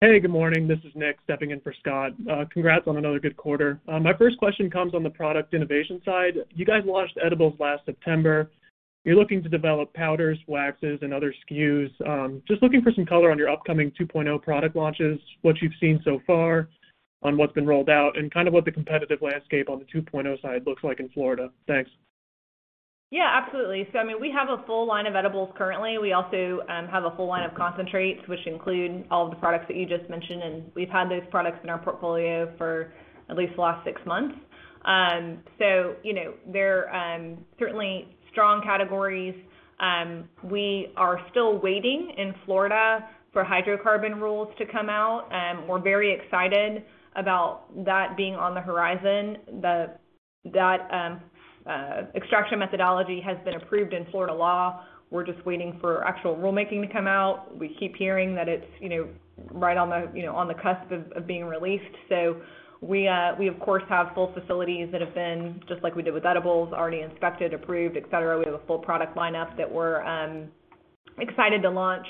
Hey, good morning. This is Nick stepping in for Scott. Congrats on another good quarter. My first question comes on the product innovation side. You guys launched edibles last September. You're looking to develop powders, waxes, and other SKUs. Just looking for some color on your upcoming 2.0 product launches, what you've seen so far on what's been rolled out, and kind of what the competitive landscape on the 2.0 side looks like in Florida. Thanks. Yeah, absolutely. We have a full line of edibles currently. We also have a full line of concentrates, which include all of the products that you just mentioned, and we've had those products in our portfolio for at least the last six months. They're certainly strong categories. We are still waiting in Florida for hydrocarbon rules to come out. We're very excited about that being on the horizon. That extraction methodology has been approved in Florida law. We're just waiting for actual rulemaking to come out. We keep hearing that it's right on the cusp of being released. We, of course, have full facilities that have been, just like we did with edibles, already inspected, approved, et cetera. We have a full product lineup that we're excited to launch.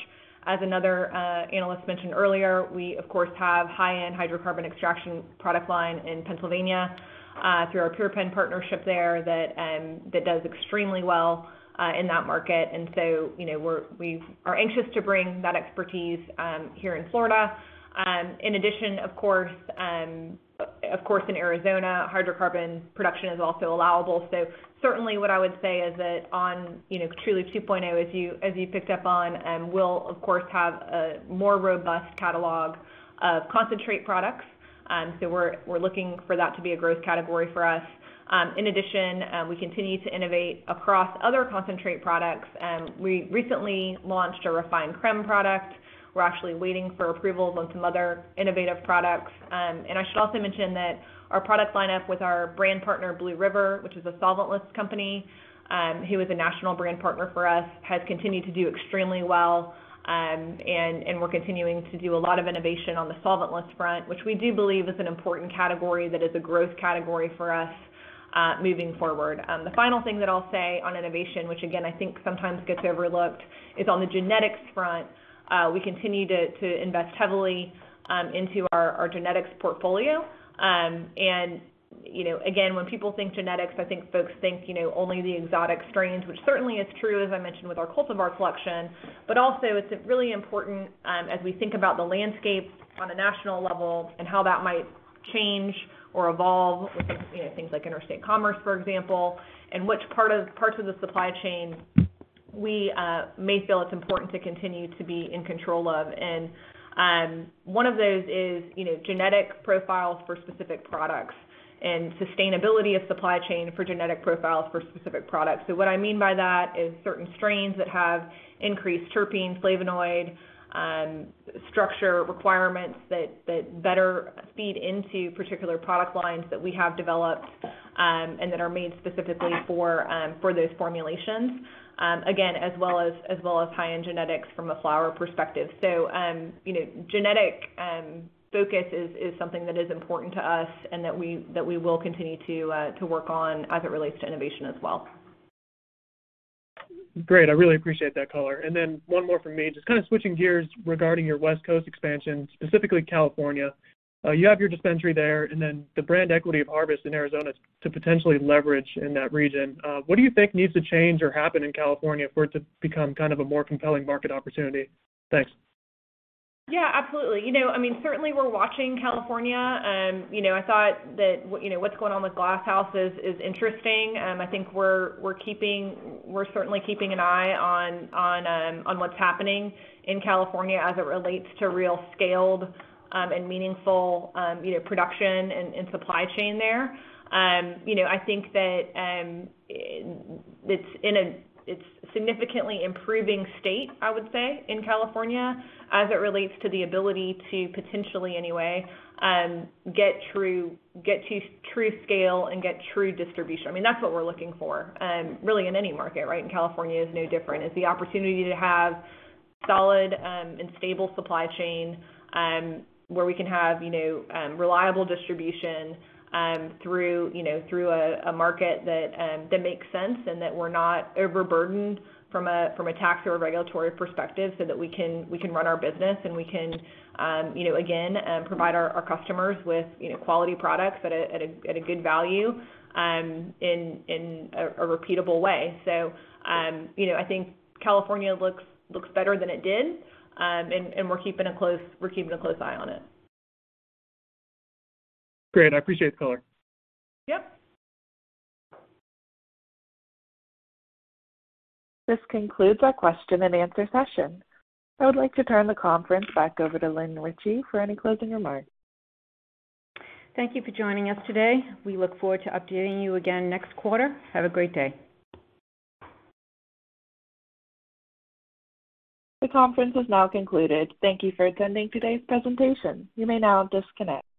As another analyst mentioned earlier, we of course have high-end hydrocarbon extraction product line in Pennsylvania through our PurePenn partnership there that does extremely well in that market. We are anxious to bring that expertise here in Florida. In addition, of course, in Arizona, hydrocarbon production is also allowable. Certainly what I would say is that on Trulieve 2.0, as you picked up on, we'll of course have a more robust catalog of concentrate products. We're looking for that to be a growth category for us. In addition, we continue to innovate across other concentrate products. We recently launched a refined creme product. We're actually waiting for approvals on some other innovative products. I should also mention that our product lineup with our brand partner, Blue River, which is a solventless company, who is a national brand partner for us, has continued to do extremely well. We're continuing to do a lot of innovation on the solventless front, which we do believe is an important category that is a growth category for us moving forward. The final thing that I'll say on innovation, which again, I think sometimes gets overlooked, is on the genetics front. We continue to invest heavily into our genetics portfolio. Again, when people think genetics, I think folks think only the exotic strains, which certainly is true, as I mentioned, with our Cultivar Collection. Also, it's really important as we think about the landscape on a national level and how that might change or evolve with things like interstate commerce, for example, and which parts of the supply chain we may feel it's important to continue to be in control of. One of those is genetic profiles for specific products and sustainability of supply chain for genetic profiles for specific products. What I mean by that is certain strains that have increased terpene, flavonoid structure requirements that better feed into particular product lines that we have developed and that are made specifically for those formulations. Again, as well as high-end genetics from a flower perspective. Genetic focus is something that is important to us and that we will continue to work on as it relates to innovation as well. Great. I really appreciate that color. One more from me, just kind of switching gears regarding your West Coast expansion, specifically California. You have your dispensary there and then the brand equity of Harvest in Arizona to potentially leverage in that region. What do you think needs to change or happen in California for it to become kind of a more compelling market opportunity? Thanks. Yeah, absolutely. Certainly, we're watching California. I thought that what's going on with Glass House is interesting. I think we're certainly keeping an eye on what's happening in California as it relates to real scaled and meaningful production and supply chain there. I think that it's significantly improving state, I would say, in California as it relates to the ability to potentially anyway get to true scale and get true distribution. That's what we're looking for really in any market. California is no different. It's the opportunity to have solid and stable supply chain, where we can have reliable distribution through a market that makes sense and that we're not overburdened from a tax or a regulatory perspective so that we can run our business and we can, again, provide our customers with quality products at a good value in a repeatable way. I think California looks better than it did, and we're keeping a close eye on it. Great. I appreciate the color. Yep. This concludes our question-and-answer session. I would like to turn the conference back over to Lynn Ricci for any closing remarks. Thank you for joining us today. We look forward to updating you again next quarter. Have a great day. The conference has now concluded. Thank you for attending today's presentation. You may now disconnect.